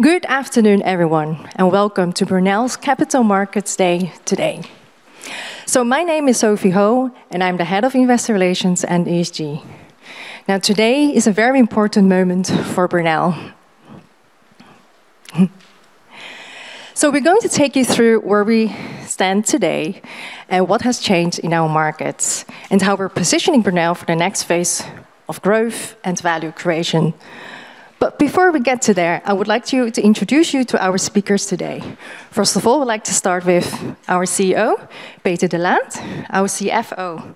Good afternoon, everyone, welcome to Brunel's Capital Markets Day today. My name is Sophie van Neerbos, and I'm the Head of Investor Relations and ESG. Today is a very important moment for Brunel. We're going to take you through where we stand today and what has changed in our markets, and how we're positioning Brunel for the next phase of growth and value creation. Before we get to there, I would like to introduce you to our speakers today. First of all, I'd like to start with our CEO, Peter de Laat, our CFO,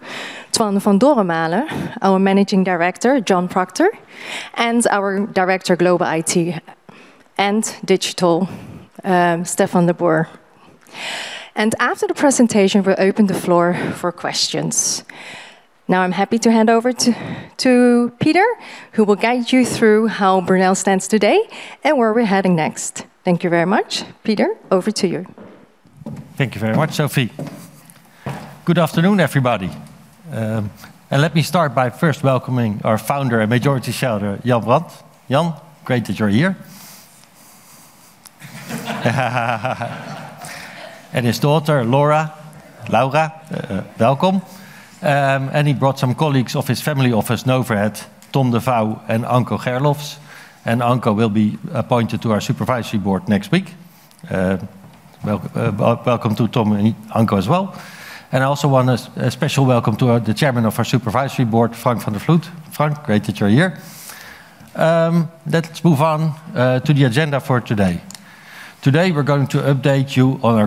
Toine van Doremalen, our Managing Director, Jon Proctor, and our Director Global IT and Digital, Stefan de Boer. After the presentation, we'll open the floor for questions. Now I'm happy to hand over to Peter, who will guide you through how Brunel stands today and where we're heading next. Thank you very much. Peter, over to you. Thank you very much, Sophie. Good afternoon, everybody. Let me start by first welcoming our founder and majority shareholder, Jan Brand. Jan, great that you're here. His daughter, Laura. Laura, welcome. He brought some colleagues of his family office, NovaHead, Tom de Vaud and Anco Gerlofs. Anco will be appointed to our Supervisory Board next week. Welcome to Tom and Anco as well. I also want a special welcome to the Chair of our Supervisory Board, Frank van der Vloed. Frank, great that you're here. Let's move on to the agenda for today. Today, we're going to update you on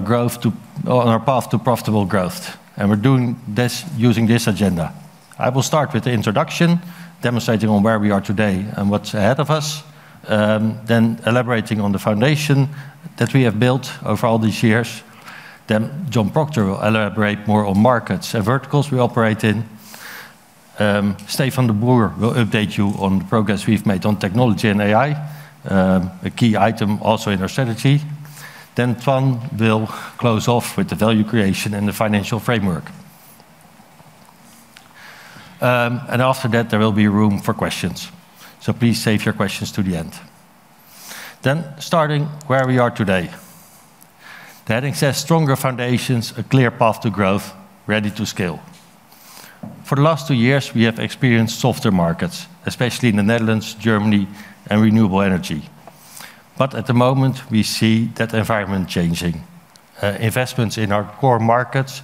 our path to profitable growth. We're doing this using this agenda. I will start with the introduction, demonstrating on where we are today and what's ahead of us, then elaborating on the foundation that we have built over all these years. Jon Proctor will elaborate more on markets and verticals we operate in. Stefan de Boer will update you on progress we've made on technology and AI, a key item also in our strategy. Toine will close off with the value creation and the financial framework. After that, there will be room for questions. Please save your questions to the end. Starting where we are today. The heading says stronger foundations, a clear path to growth, ready to scale. For the last two years, we have experienced softer markets, especially in the Netherlands, Germany, and renewable energy. At the moment, we see that environment changing. Investments in our core markets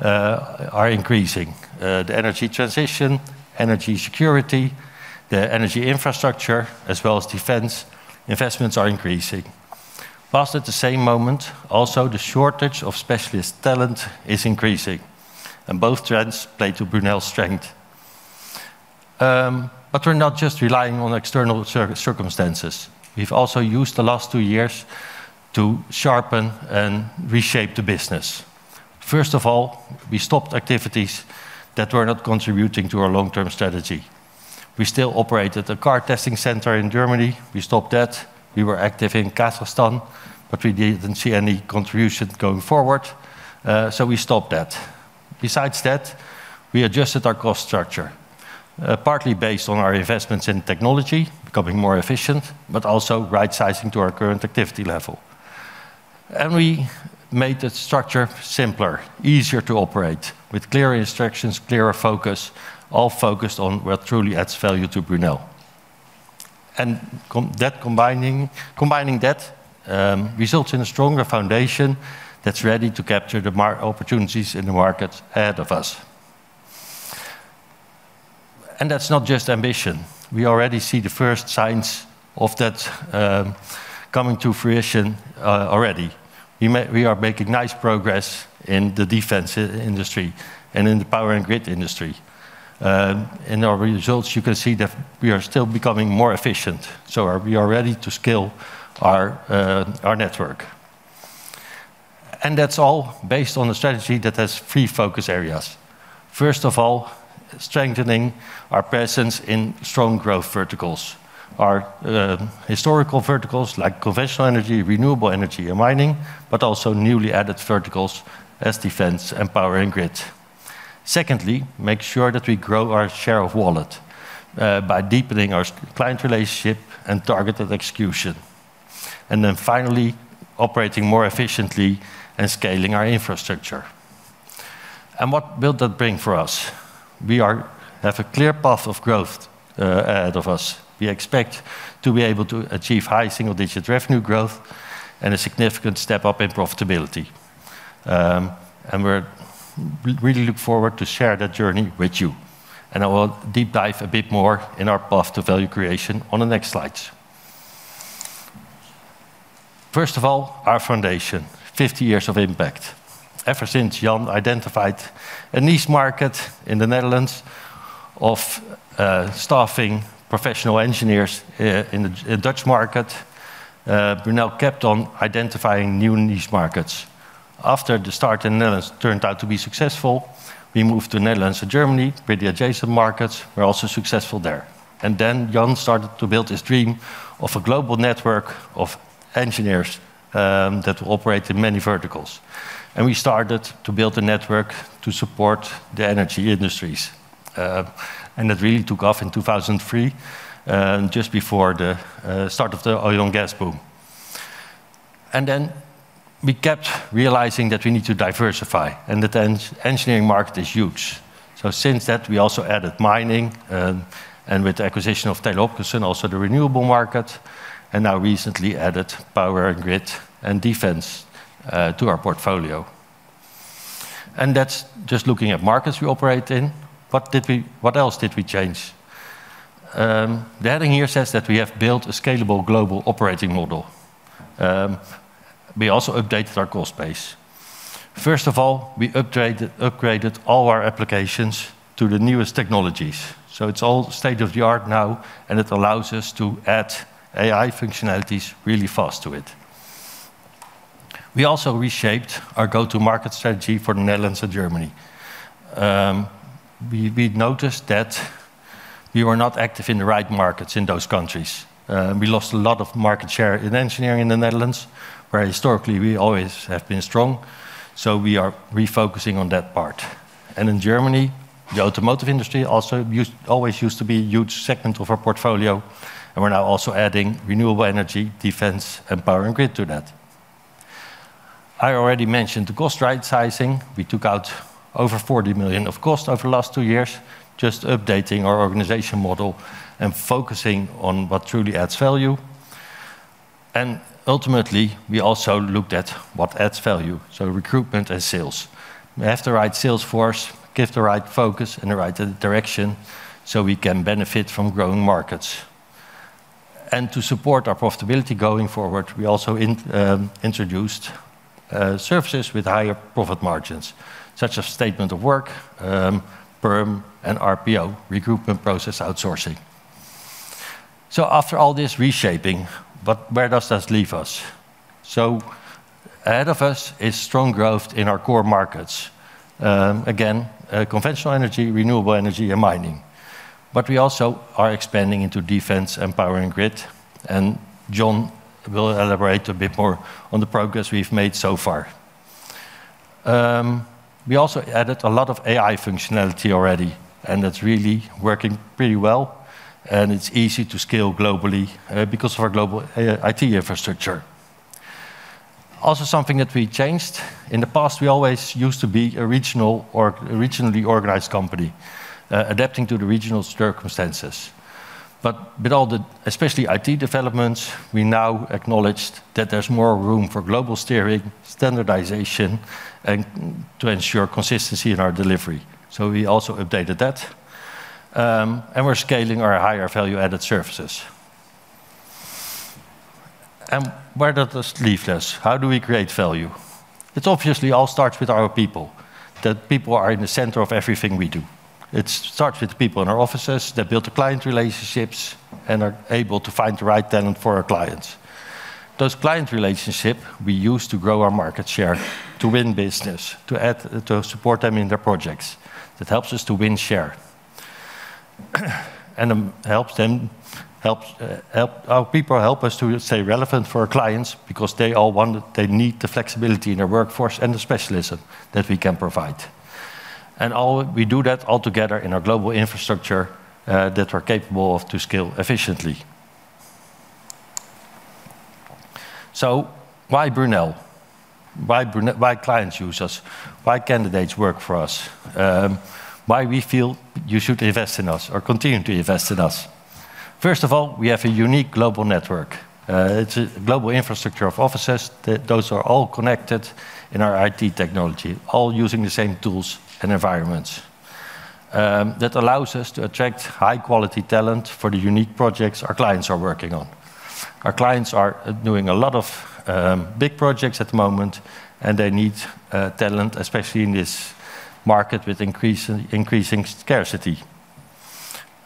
are increasing. The energy transition, energy security, the energy infrastructure, as well as defense investments are increasing. At the same moment, also the shortage of specialist talent is increasing, and both trends play to Brunel's strength. We're not just relying on external circumstances. We've also used the last two years to sharpen and reshape the business. First of all, we stopped activities that were not contributing to our long-term strategy. We still operated a car testing center in Germany. We stopped that. We were active in Kazakhstan, but we didn't see any contribution going forward, so we stopped that. Besides that, we adjusted our cost structure, partly based on our investments in technology becoming more efficient, but also rightsizing to our current activity level. We made the structure simpler, easier to operate, with clearer instructions, clearer focus, all focused on what truly adds value to Brunel. That combining that results in a stronger foundation that's ready to capture the opportunities in the markets ahead of us. That's not just ambition. We already see the first signs of that coming to fruition already. We are making nice progress in the defense industry and in the Power & Grid industry. In our results, you can see that we are still becoming more efficient, so we are ready to scale our network. That's all based on a strategy that has three focus areas. First of all, strengthening our presence in strong growth verticals. Our historical verticals like conventional energy, renewable energy, and mining, but also newly added verticals as defense and Power & Grid. Secondly, make sure that we grow our share of wallet by deepening our client relationship and targeted execution. Finally, operating more efficiently and scaling our infrastructure. What will that bring for us? We have a clear path of growth ahead of us. We expect to be able to achieve high single-digit revenue growth and a significant step up in profitability. We're really look forward to share that journey with you. I will deep dive a bit more in our path to value creation on the next slides. First of all, our foundation, 50 years of impact. Ever since Jan identified a niche market in the Netherlands of staffing professional engineers in the Dutch market, Brunel kept on identifying new niche markets. After the start in Netherlands turned out to be successful, we moved to Netherlands and Germany, pretty adjacent markets. We're also successful there. Jan started to build his dream of a global network of engineers that operate in many verticals. We started to build a network to support the energy industries. That really took off in 2003, just before the start of the oil and gas boom. We kept realizing that we need to diversify and that engineering market is huge. Since that, we also added mining, and with the acquisition of Taylor Hopkinson, also the renewable market, and now recently added Power & Grid and defense to our portfolio. That's just looking at markets we operate in. What else did we change? The heading here says that we have built a scalable global operating model. We also updated our core space. First of all, we upgraded all our applications to the newest technologies. It's all state-of-the-art now, and it allows us to add AI functionalities really fast to it. We also reshaped our go-to-market strategy for the Netherlands and Germany. We'd noticed that we were not active in the right markets in those countries. We lost a lot of market share in engineering in the Netherlands, where historically we always have been strong. We are refocusing on that part. In Germany, the automotive industry always used to be a huge segment of our portfolio. We're now also adding renewable energy, defense, and Power & Grid to that. I already mentioned the cost rightsizing. We took out over 40 million of cost over the last two years just updating our organization model and focusing on what truly adds value. Ultimately, we also looked at what adds value, recruitment and sales. We have the right sales force, give the right focus and the right direction. We can benefit from growing markets. To support our profitability going forward, we also introduced services with higher profit margins, such as statement of work, PERM, and RPO, recruitment process outsourcing. After all this reshaping, where does this leave us? Ahead of us is strong growth in our core markets, again, conventional energy, renewable energy, and mining. We also are expanding into defense and Power & Grid, and Jon will elaborate a bit more on the progress we've made so far. We also added a lot of AI functionality already, and it's really working pretty well, and it's easy to scale globally because of our global IT infrastructure. Also something that we changed, in the past, we always used to be a regional or regionally organized company, adapting to the regional circumstances. With all the, especially IT developments, we now acknowledged that there's more room for global steering, standardization, and to ensure consistency in our delivery. We're scaling our higher value-added services. Where does this leave us? How do we create value? It obviously all starts with our people, that people are in the center of everything we do. It starts with the people in our offices that build the client relationships and are able to find the right talent for our clients. Those client relationship we use to grow our market share, to win business, to support them in their projects. That helps us to win share. Our people help us to stay relevant for our clients because they need the flexibility in their workforce and the specialism that we can provide. We do that all together in our global infrastructure that we're capable of to scale efficiently. Why Brunel? Why clients use us? Why candidates work for us? Why we feel you should invest in us or continue to invest in us? First of all, we have a unique global network. It's a global infrastructure of offices that those are all connected in our IT technology, all using the same tools and environments. That allows us to attract high-quality talent for the unique projects our clients are working on. Our clients are doing a lot of big projects at the moment. They need talent, especially in this market with increasing scarcity.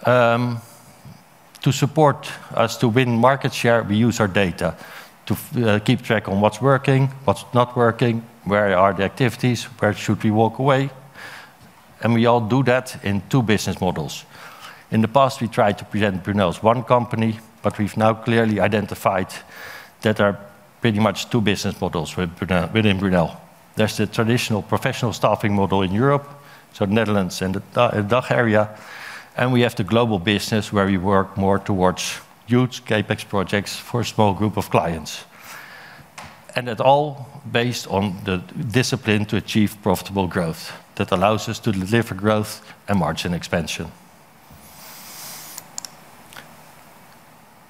To support us to win market share, we use our data to keep track on what's working, what's not working, where are the activities, where should we walk away. We all do that in two business models. In the past, we tried to present Brunel as one company, we've now clearly identified there are pretty much two business models within Brunel. There's the traditional professional staffing model in Europe, so Netherlands and the DACH area. We have the global business where we work more towards huge CapEx projects for a small group of clients. It all based on the discipline to achieve profitable growth that allows us to deliver growth and margin expansion.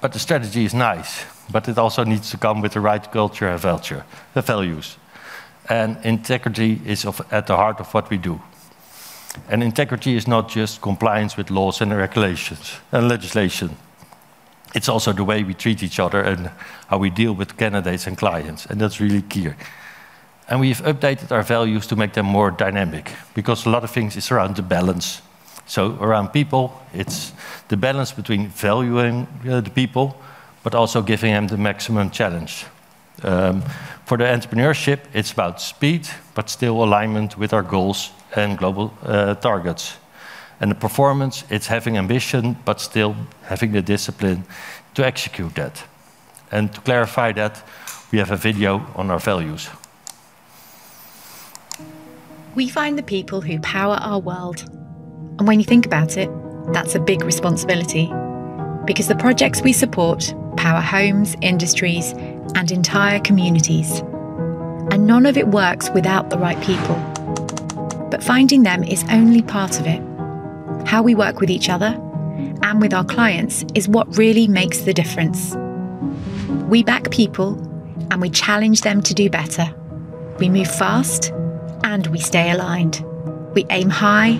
The strategy is nice, it also needs to come with the right culture and values. Integrity is at the heart of what we do. Integrity is not just compliance with laws and regulations and legislation. It's also the way we treat each other and how we deal with candidates and clients, that's really key. We've updated our values to make them more dynamic because a lot of things is around the balance. Around people, it's the balance between valuing the people but also giving them the maximum challenge. For the entrepreneurship, it's about speed, still alignment with our goals and global targets. The performance, it's having ambition, still having the discipline to execute that. To clarify that, we have a video on our values. We find the people who power our world. When you think about it, that's a big responsibility because the projects we support power homes, industries, and entire communities, and none of it works without the right people. Finding them is only part of it. How we work with each other and with our clients is what really makes the difference. We back people, and we challenge them to do better. We move fast, and we stay aligned. We aim high,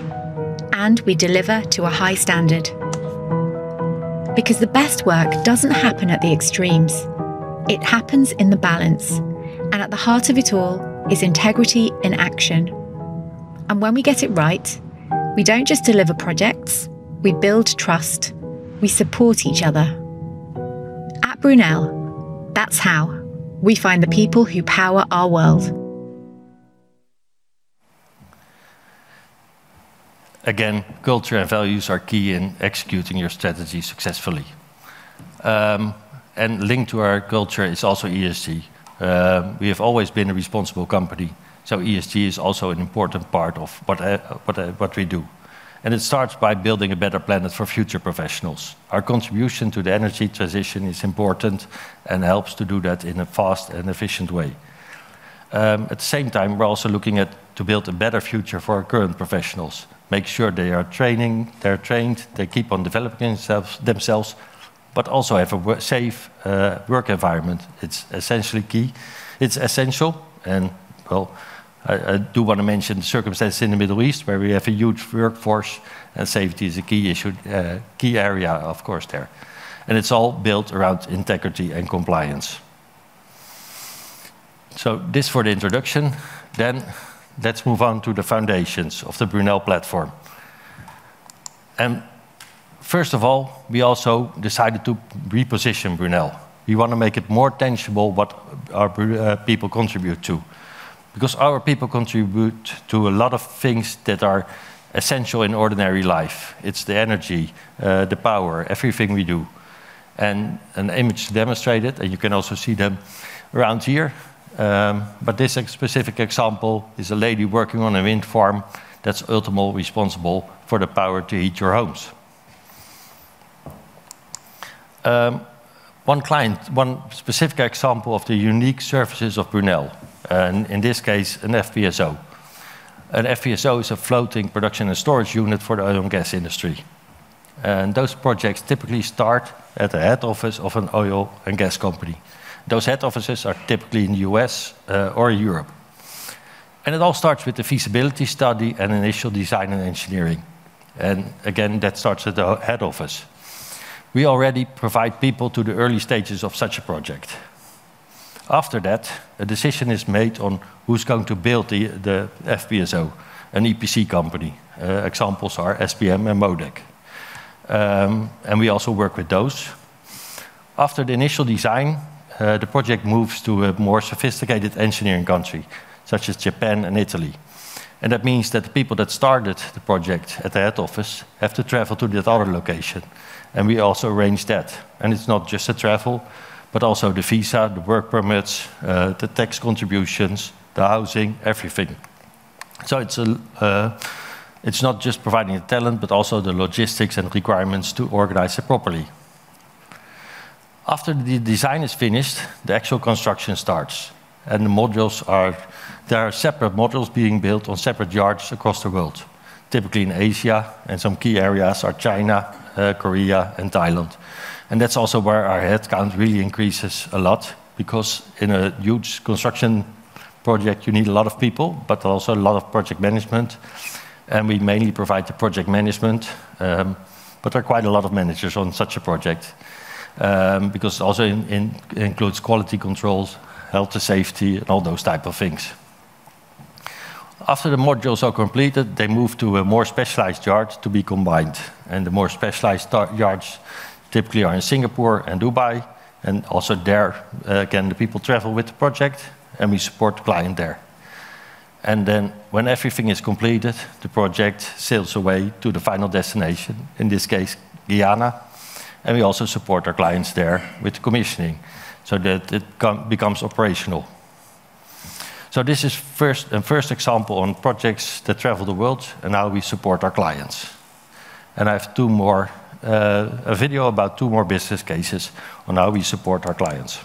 and we deliver to a high standard. The best work doesn't happen at the extremes. It happens in the balance. At the heart of it all is integrity in action. When we get it right, we don't just deliver projects. We build trust. We support each other. At Brunel, that's how we find the people who power our world. Again, culture and values are key in executing your strategy successfully. Linked to our culture is also ESG. We have always been a responsible company. ESG is also an important part of what we do. It starts by building a better planet for future professionals. Our contribution to the energy transition is important and helps to do that in a fast and efficient way. At the same time, we're also looking at to build a better future for our current professionals, make sure they are training, they're trained, they keep on developing themselves, but also have a safe work environment. It's essentially key. It's essential. Well, I do wanna mention the circumstances in the Middle East where we have a huge workforce, and safety is a key issue, key area, of course, there, and it's all built around integrity and compliance. This for the introduction. Let's move on to the foundations of the Brunel platform. First of all, we also decided to reposition Brunel. We wanna make it more tangible what our people contribute to because our people contribute to a lot of things that are essential in ordinary life. It's the energy, the power, everything we do, and an image demonstrated, and you can also see them around here. This specific example is a lady working on a wind farm that's ultimately responsible for the power to heat your homes. One client, one specific example of the unique services of Brunel, and in this case, an FPSO. An FPSO is a floating production and storage unit for the oil and gas industry, and those projects typically start at the head office of an oil and gas company. Those head offices are typically in the U.S. or Europe, and it all starts with the feasibility study and initial design and engineering. Again, that starts at the head office. We already provide people to the early stages of such a project. After that, a decision is made on who's going to build the FPSO, an EPC company. Examples are SBM and MODEC. We also work with those. After the initial design, the project moves to a more sophisticated engineering country, such as Japan and Italy. That means that the people that started the project at the head office have to travel to that other location, and we also arrange that. It's not just the travel, but also the visa, the work permits, the tax contributions, the housing, everything. It's, it's not just providing the talent, but also the logistics and requirements to organize it properly. After the design is finished, the actual construction starts, and there are separate modules being built on separate yards across the world, typically in Asia, and some key areas are China, Korea, and Thailand. That's also where our headcount really increases a lot because in a huge construction project, you need a lot of people, but also a lot of project management, and we mainly provide the project management. There are quite a lot of managers on such a project because also includes quality controls, health and safety, and all those type of things. After the modules are completed, they move to a more specialized yard to be combined, and the more specialized yards typically are in Singapore and Dubai. Also there, again, the people travel with the project, and we support the client there. When everything is completed, the project sails away to the final destination, in this case, Guyana. We also support our clients there with commissioning so that it becomes operational. This is first, a first example on projects that travel the world and how we support our clients. I have two more, a video about two more business cases on how we support our clients.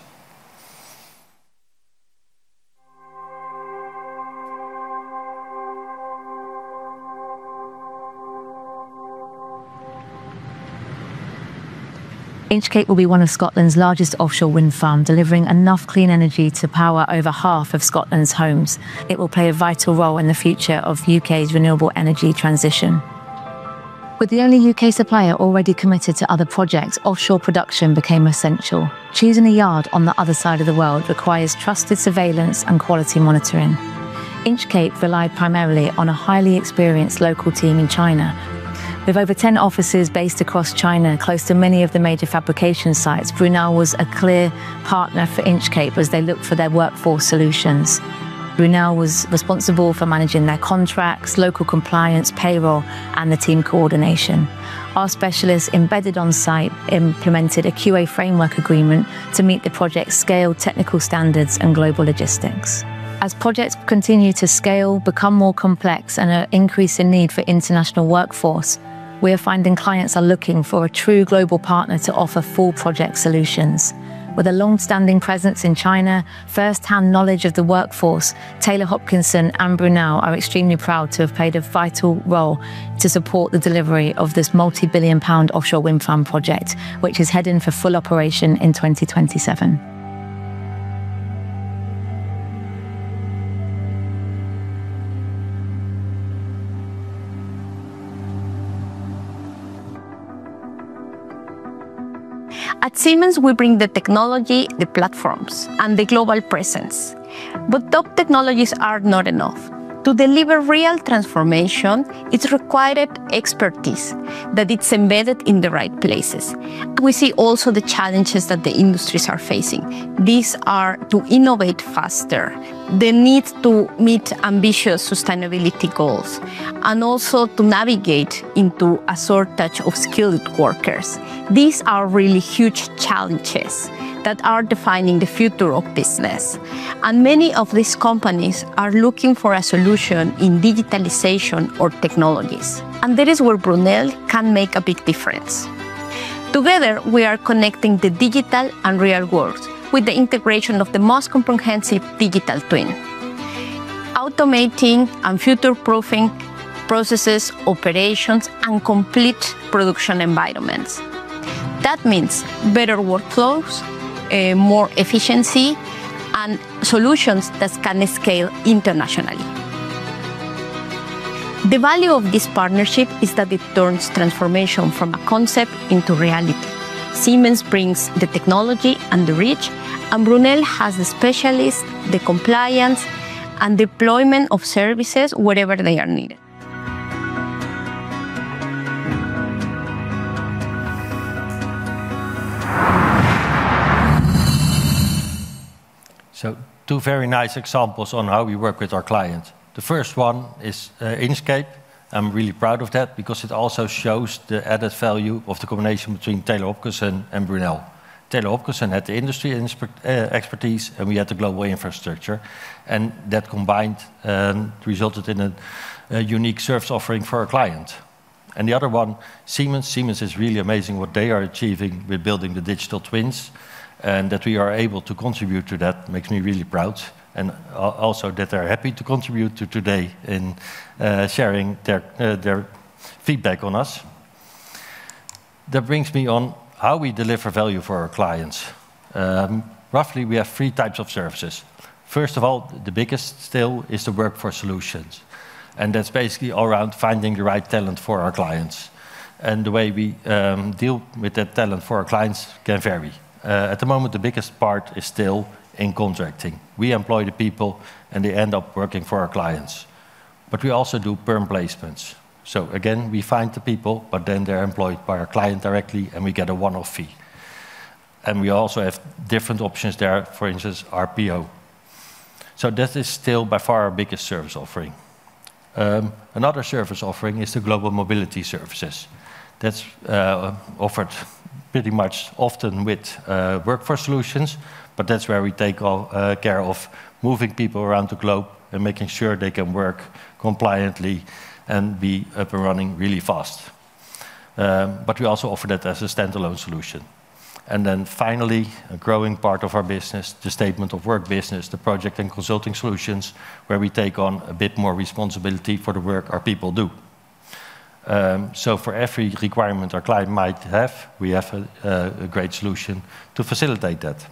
Inch Cape will be one of Scotland's largest offshore wind farm, delivering enough clean energy to power over half of Scotland's homes. It will play a vital role in the future of U.K.'s renewable energy transition. With the only U.K. supplier already committed to other projects, offshore production became essential. Choosing a yard on the other side of the world requires trusted surveillance and quality monitoring. Inch Cape relied primarily on a highly experienced local team in China. With over 10 offices based across China, close to many of the major fabrication sites, Brunel was a clear partner for Inch Cape as they looked for their workforce solutions. Brunel was responsible for managing their contracts, local compliance, payroll, and the team coordination. Our specialists embedded on-site implemented a QA framework agreement to meet the project's scale, technical standards, and global logistics. As projects continue to scale, become more complex, and an increase in need for international workforce. We are finding clients are looking for a true global partner to offer full project solutions. With a long-standing presence in China, first-hand knowledge of the workforce, Taylor Hopkinson and Brunel are extremely proud to have played a vital role to support the delivery of this multi-billion GBP offshore wind farm project, which is heading for full operation in 2027. At Siemens, we bring the technology, the platforms, and the global presence. Top technologies are not enough. To deliver real transformation, it's required expertise that it's embedded in the right places. We see also the challenges that the industries are facing. These are to innovate faster, the need to meet ambitious sustainability goals, and also to navigate into a shortage of skilled workers. These are really huge challenges that are defining the future of business. Many of these companies are looking for a solution in digitalization or technologies. That is where Brunel can make a big difference. Together, we are connecting the digital and real world with the integration of the most comprehensive digital twin, automating and future-proofing processes, operations, and complete production environments. That means better workflows, more efficiency, and solutions that can scale internationally. The value of this partnership is that it turns transformation from a concept into reality. Siemens brings the technology and the reach. Brunel has the specialists, the compliance, and deployment of services wherever they are needed. Two very nice examples on how we work with our clients. The first one is Inch Cape. I'm really proud of that because it also shows the added value of the combination between Taylor Hopkinson and Brunel. Taylor Hopkinson had the industry expertise, and we had the global infrastructure. That combined, resulted in a unique service offering for our client. The other one, Siemens. Siemens is really amazing what they are achieving with building the digital twins, and that we are able to contribute to that makes me really proud, and also that they're happy to contribute to today in sharing their feedback on us. That brings me on how we deliver value for our clients. Roughly, we have three types of services. First of all, the biggest still is the workforce solutions, that's basically all around finding the right talent for our clients. The way we deal with that talent for our clients can vary. At the moment, the biggest part is still in contracting. We employ the people, and they end up working for our clients. We also do PERM placements. Again, we find the people, but then they're employed by our client directly, and we get a one-off fee. We also have different options there, for instance, RPO. This is still by far our biggest service offering. Another service offering is the global mobility services. That's offered pretty much often with workforce solutions, but that's where we take all care of moving people around the globe and making sure they can work compliantly and be up and running really fast. We also offer that as a standalone solution. Finally, a growing part of our business, the statement of work business, the project and consulting solutions, where we take on a bit more responsibility for the work our people do. For every requirement our client might have, we have a great solution to facilitate that.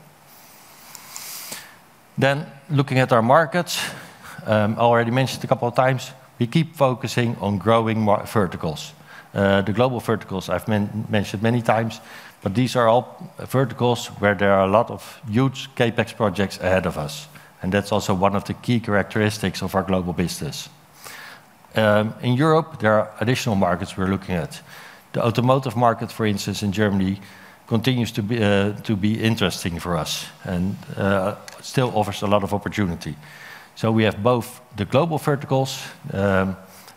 Looking at our markets, I already mentioned a couple of times, we keep focusing on growing more verticals. The global verticals I've mentioned many times, these are all verticals where there are a lot of huge CapEx projects ahead of us, that's also one of the key characteristics of our global business. In Europe, there are additional markets we're looking at. The automotive market, for instance, in Germany continues to be interesting for us and still offers a lot of opportunity. We have both the global verticals,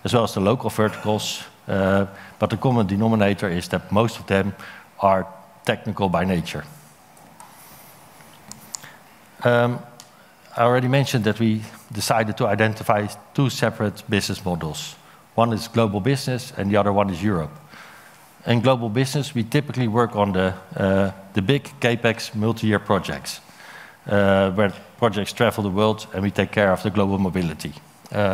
as well as the local verticals, the common denominator is that most of them are technical by nature. I already mentioned that we decided to identify two separate business models. One is global business, the other one is Europe. In global business, we typically work on the big CapEx multi-year projects, where projects travel the world, we take care of the global mobility.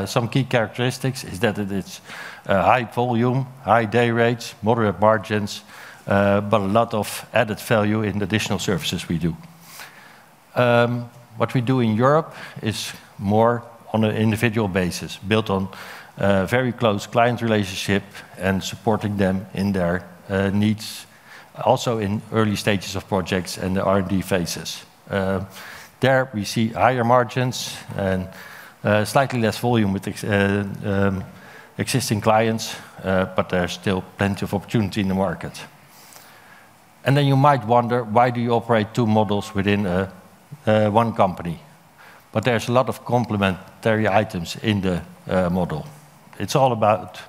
Some key characteristics is that it is high volume, high day rates, moderate margins, but a lot of added value in the additional services we do. What we do in Europe is more on an individual basis, built on very close client relationship and supporting them in their needs, also in early stages of projects and the R&D phases. There we see higher margins and slightly less volume with existing clients, but there are still plenty of opportunity in the market. You might wonder, why do you operate two models within one company? There's a lot of complementary items in the model. It's all about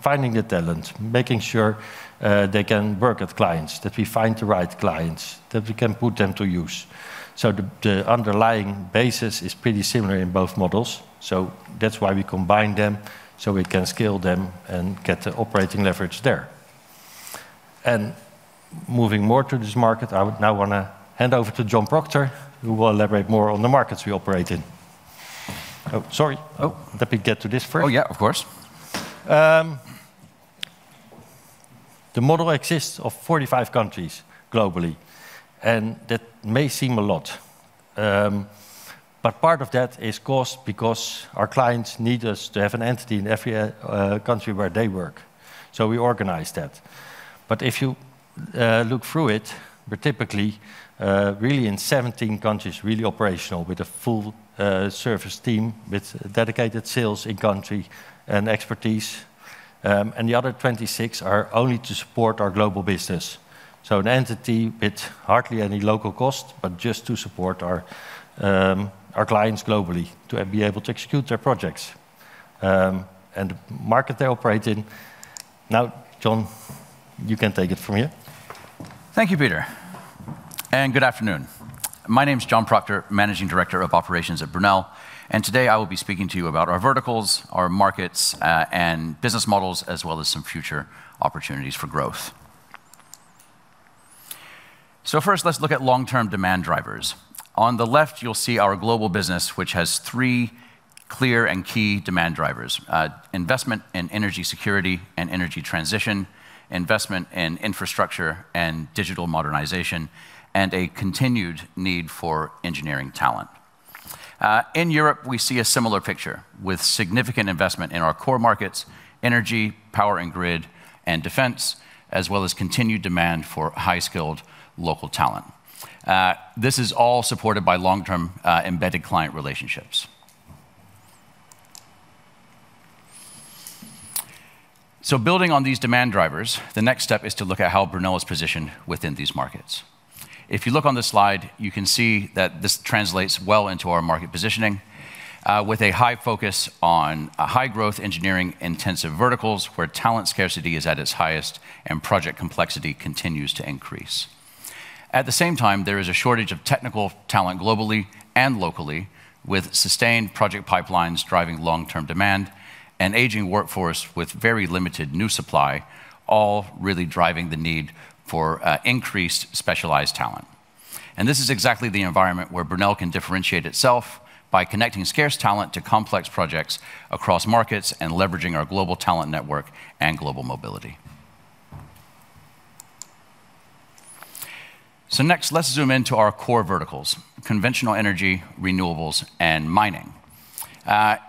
finding the talent, making sure they can work with clients, that we find the right clients, that we can put them to use. The underlying basis is pretty similar in both models, so that's why we combine them, so we can scale them and get the operating leverage there. Moving more to this market, I would now wanna hand over to Jon Proctor, who will elaborate more on the markets we operate in. Oh, sorry. Oh. Let me get to this first. Oh, yeah, of course. The model exists of 45 countries globally, and that may seem a lot. Part of that is cost because our clients need us to have an entity in every country where they work. We organize that. If you look through it, we're typically really in 17 countries really operational with a full service team with dedicated sales in country and expertise. The other 26 are only to support our global business. An entity with hardly any local cost, but just to support our clients globally to be able to execute their projects and market they operate in. Now, Jon, you can take it from here. Thank you, Peter. Good afternoon. My name is Jon Proctor, Managing Director of Operations at Brunel. Today I will be speaking to you about our verticals, our markets, and business models, as well as some future opportunities for growth. First, let's look at long-term demand drivers. On the left, you will see our global business, which has three clear and key demand drivers: investment in energy security and energy transition, investment in infrastructure and digital modernization, and a continued need for engineering talent. In Europe, we see a similar picture with significant investment in our core markets, energy, Power & Grid, and defense, as well as continued demand for high-skilled local talent. This is all supported by long-term, embedded client relationships. Building on these demand drivers, the next step is to look at how Brunel is positioned within these markets. If you look on this slide, you can see that this translates well into our market positioning, with a high focus on high-growth engineering-intensive verticals where talent scarcity is at its highest and project complexity continues to increase. At the same time, there is a shortage of technical talent globally and locally with sustained project pipelines driving long-term demand and aging workforce with very limited new supply, all really driving the need for increased specialized talent. This is exactly the environment where Brunel can differentiate itself by connecting scarce talent to complex projects across markets and leveraging our global talent network and global mobility. Next, let's zoom into our core verticals, conventional energy, renewables, and mining.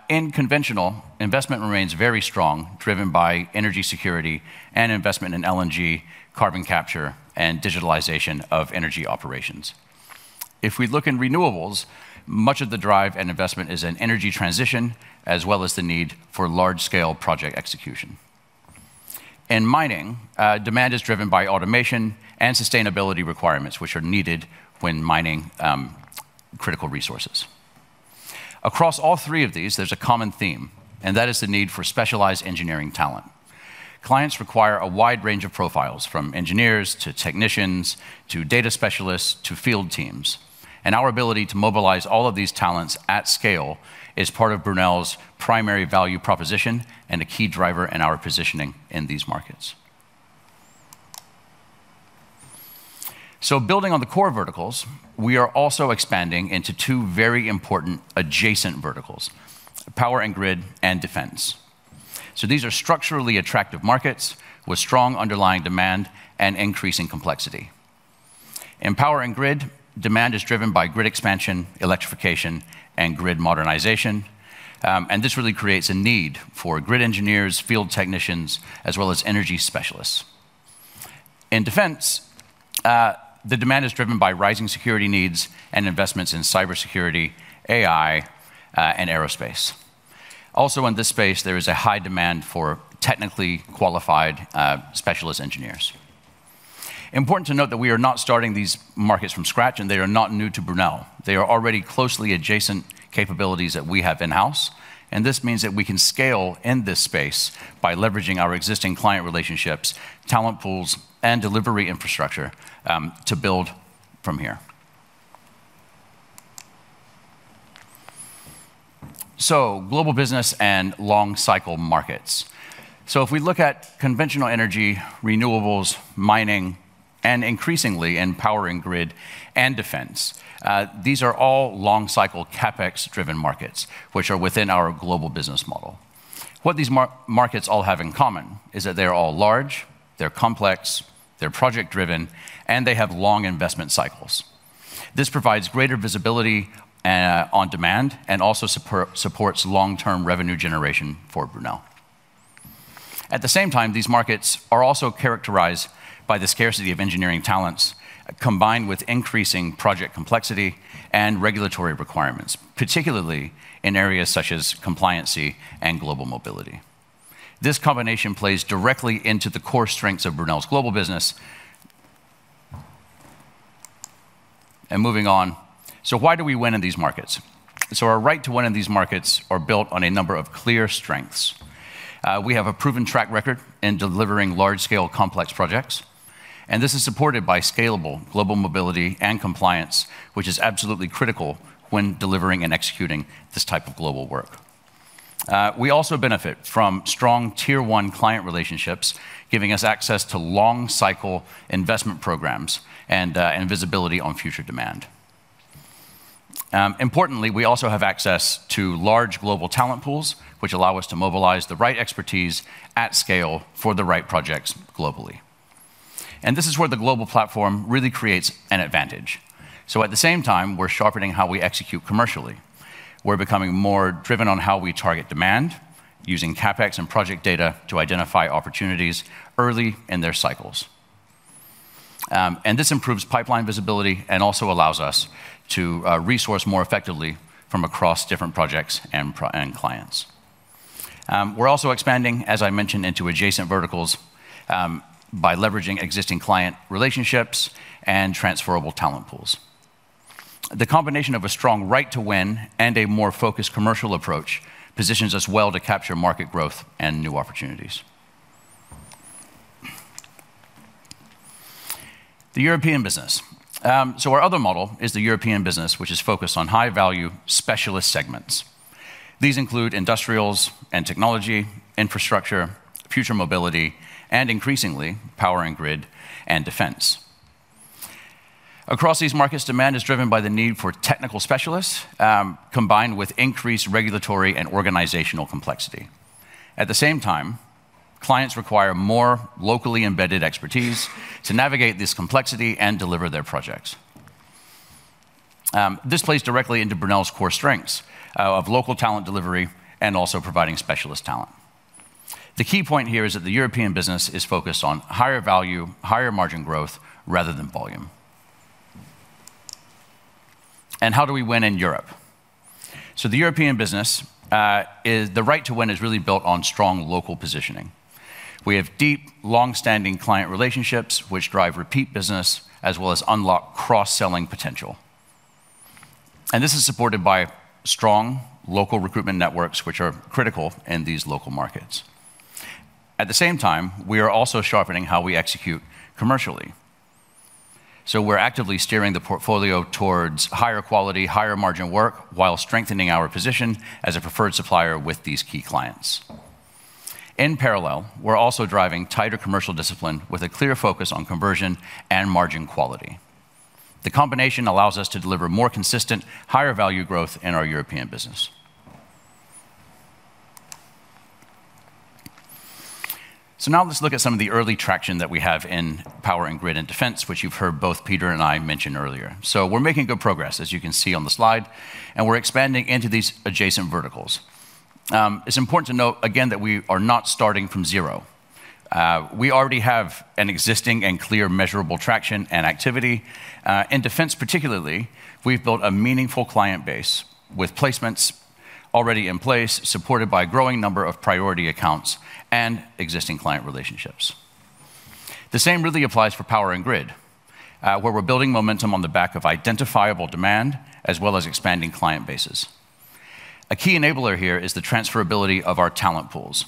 In conventional, investment remains very strong, driven by energy security and investment in LNG, carbon capture, and digitalization of energy operations. If we look in renewables, much of the drive and investment is in energy transition, as well as the need for large-scale project execution. In mining, demand is driven by automation and sustainability requirements, which are needed when mining critical resources. Across all three of these, there's a common theme, and that is the need for specialized engineering talent. Clients require a wide range of profiles, from engineers to technicians to data specialists to field teams. Our ability to mobilize all of these talents at scale is part of Brunel's primary value proposition and a key driver in our positioning in these markets. Building on the core verticals, we are also expanding into two very important adjacent verticals, Power & Grid and defense. These are structurally attractive markets with strong underlying demand and increasing complexity. In power and grid, demand is driven by grid expansion, electrification, and grid modernization. This really creates a need for grid engineers, field technicians, as well as energy specialists. In defense, the demand is driven by rising security needs and investments in cybersecurity, AI, and aerospace. Also, in this space, there is a high demand for technically qualified specialist engineers. Important to note that we are not starting these markets from scratch, and they are not new to Brunel. They are already closely adjacent capabilities that we have in-house, this means that we can scale in this space by leveraging our existing client relationships, talent pools, and delivery infrastructure to build from here. Global business and long-cycle markets. If we look at conventional energy, renewables, mining, and increasingly in Power & Grid and defense, these are all long-cycle CapEx-driven markets which are within our global business model. What these markets all have in common is that they're all large, they're complex, they're project-driven, and they have long investment cycles. This provides greater visibility on demand and also supports long-term revenue generation for Brunel. At the same time, these markets are also characterized by the scarcity of engineering talents combined with increasing project complexity and regulatory requirements, particularly in areas such as compliancy and global mobility. This combination plays directly into the core strengths of Brunel's global business. Moving on, why do we win in these markets? Our right to win in these markets are built on a number of clear strengths. We have a proven track record in delivering large-scale complex projects, and this is supported by scalable global mobility and compliance, which is absolutely critical when delivering and executing this type of global work. We also benefit from strong tier one client relationships, giving us access to long cycle investment programs and visibility on future demand. Importantly, we also have access to large global talent pools, which allow us to mobilize the right expertise at scale for the right projects globally. This is where the global platform really creates an advantage. At the same time, we're sharpening how we execute commercially. We're becoming more driven on how we target demand using CapEx and project data to identify opportunities early in their cycles. This improves pipeline visibility and also allows us to resource more effectively from across different projects and clients. The combination of a strong right to win and a more focused commercial approach positions us well to capture market growth and new opportunities. The European business. Our other model is the European business, which is focused on high value specialist segments. These include industrials and technology, infrastructure, future mobility, and increasingly, Power & Grid and defense. Across these markets, demand is driven by the need for technical specialists, combined with increased regulatory and organizational complexity. At the same time, clients require more locally embedded expertise to navigate this complexity and deliver their projects. This plays directly into Brunel's core strengths of local talent delivery and also providing specialist talent. The key point here is that the European business is focused on higher value, higher margin growth rather than volume. How do we win in Europe? The European business is the right to win is really built on strong local positioning. We have deep, long-standing client relationships which drive repeat business as well as unlock cross-selling potential. This is supported by strong local recruitment networks which are critical in these local markets. At the same time, we are also sharpening how we execute commercially. We're actively steering the portfolio towards higher quality, higher margin work while strengthening our position as a preferred supplier with these key clients. In parallel, we're also driving tighter commercial discipline with a clear focus on conversion and margin quality. The combination allows us to deliver more consistent, higher value growth in our European business. Now let's look at some of the early traction that we have in power and grid and defense, which you've heard both Peter and I mention earlier. It's important to note again that we are not starting from zero. We already have an existing and clear measurable traction and activity. In defense particularly, we've built a meaningful client base with placements already in place, supported by a growing number of priority accounts and existing client relationships. The same really applies for power and grid, where we're building momentum on the back of identifiable demand as well as expanding client bases. A key enabler here is the transferability of our talent pools.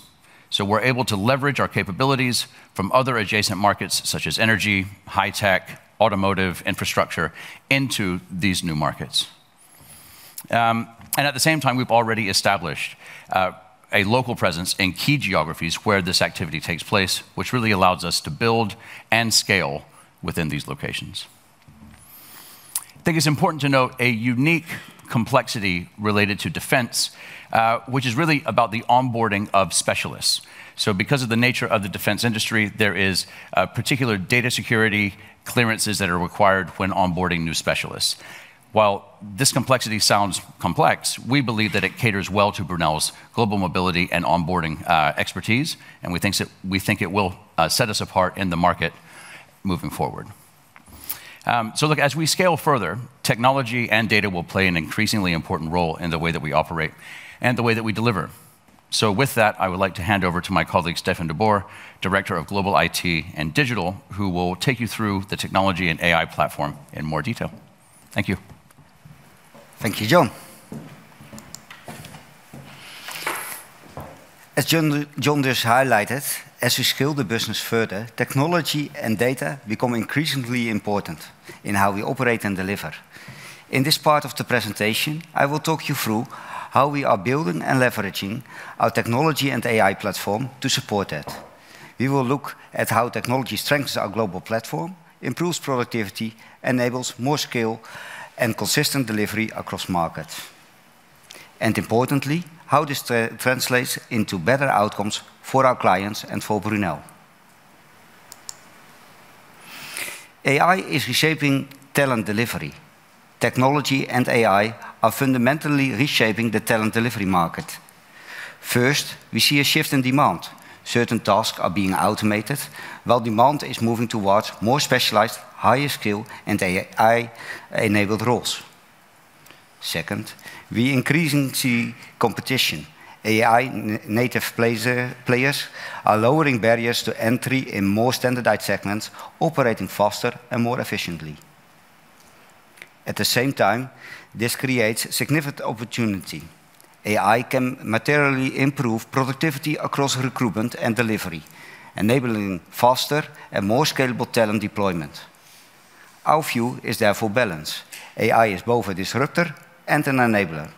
We're able to leverage our capabilities from other adjacent markets such as energy, high-tech, automotive, infrastructure into these new markets. At the same time, we've already established a local presence in key geographies where this activity takes place, which really allows us to build and scale within these locations. I think it's important to note a unique complexity related to defense, which is really about the onboarding of specialists. Because of the nature of the defense industry, there is particular data security clearances that are required when onboarding new specialists. While this complexity sounds complex, we believe that it caters well to Brunel's global mobility and onboarding expertise, and we think it will set us apart in the market moving forward. Look, as we scale further, technology and data will play an increasingly important role in the way that we operate and the way that we deliver. With that, I would like to hand over to my colleague, Stefan de Boer, Director of Global IT and Digital, who will take you through the technology and AI platform in more detail. Thank you. Thank you, Jon. As Jon just highlighted, as we scale the business further, technology and data become increasingly important in how we operate and deliver. In this part of the presentation, I will talk you through how we are building and leveraging our technology and AI platform to support that. We will look at how technology strengthens our global platform, improves productivity, enables more scale and consistent delivery across markets. Importantly, how this translates into better outcomes for our clients and for Brunel. AI is reshaping talent delivery. Technology and AI are fundamentally reshaping the talent delivery market. First, we see a shift in demand. Certain tasks are being automated, while demand is moving towards more specialized, higher skill and AI-enabled roles. Second, we see competition. AI-native players are lowering barriers to entry in more standardized segments, operating faster and more efficiently. At the same time, this creates significant opportunity. AI can materially improve productivity across recruitment and delivery, enabling faster and more scalable talent deployment. Our view is therefore balanced. AI is both a disruptor and an enabler.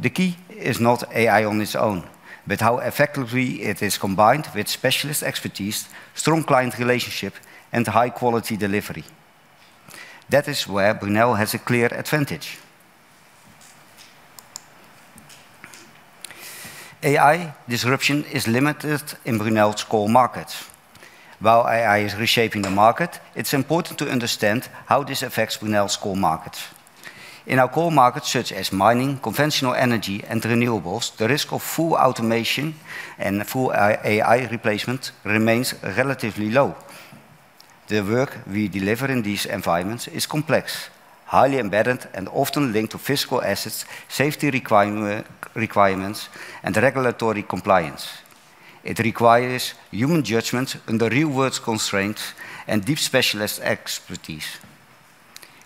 The key is not AI on its own, but how effectively it is combined with specialist expertise, strong client relationship, and high-quality delivery. That is where Brunel has a clear advantage. AI disruption is limited in Brunel's core markets. While AI is reshaping the market, it's important to understand how this affects Brunel's core markets. In our core markets such as mining, conventional energy, and renewables, the risk of full automation and full AI replacement remains relatively low. The work we deliver in these environments is complex, highly embedded, and often linked to physical assets, safety requirements, and regulatory compliance. It requires human judgment under real-world constraints and deep specialist expertise.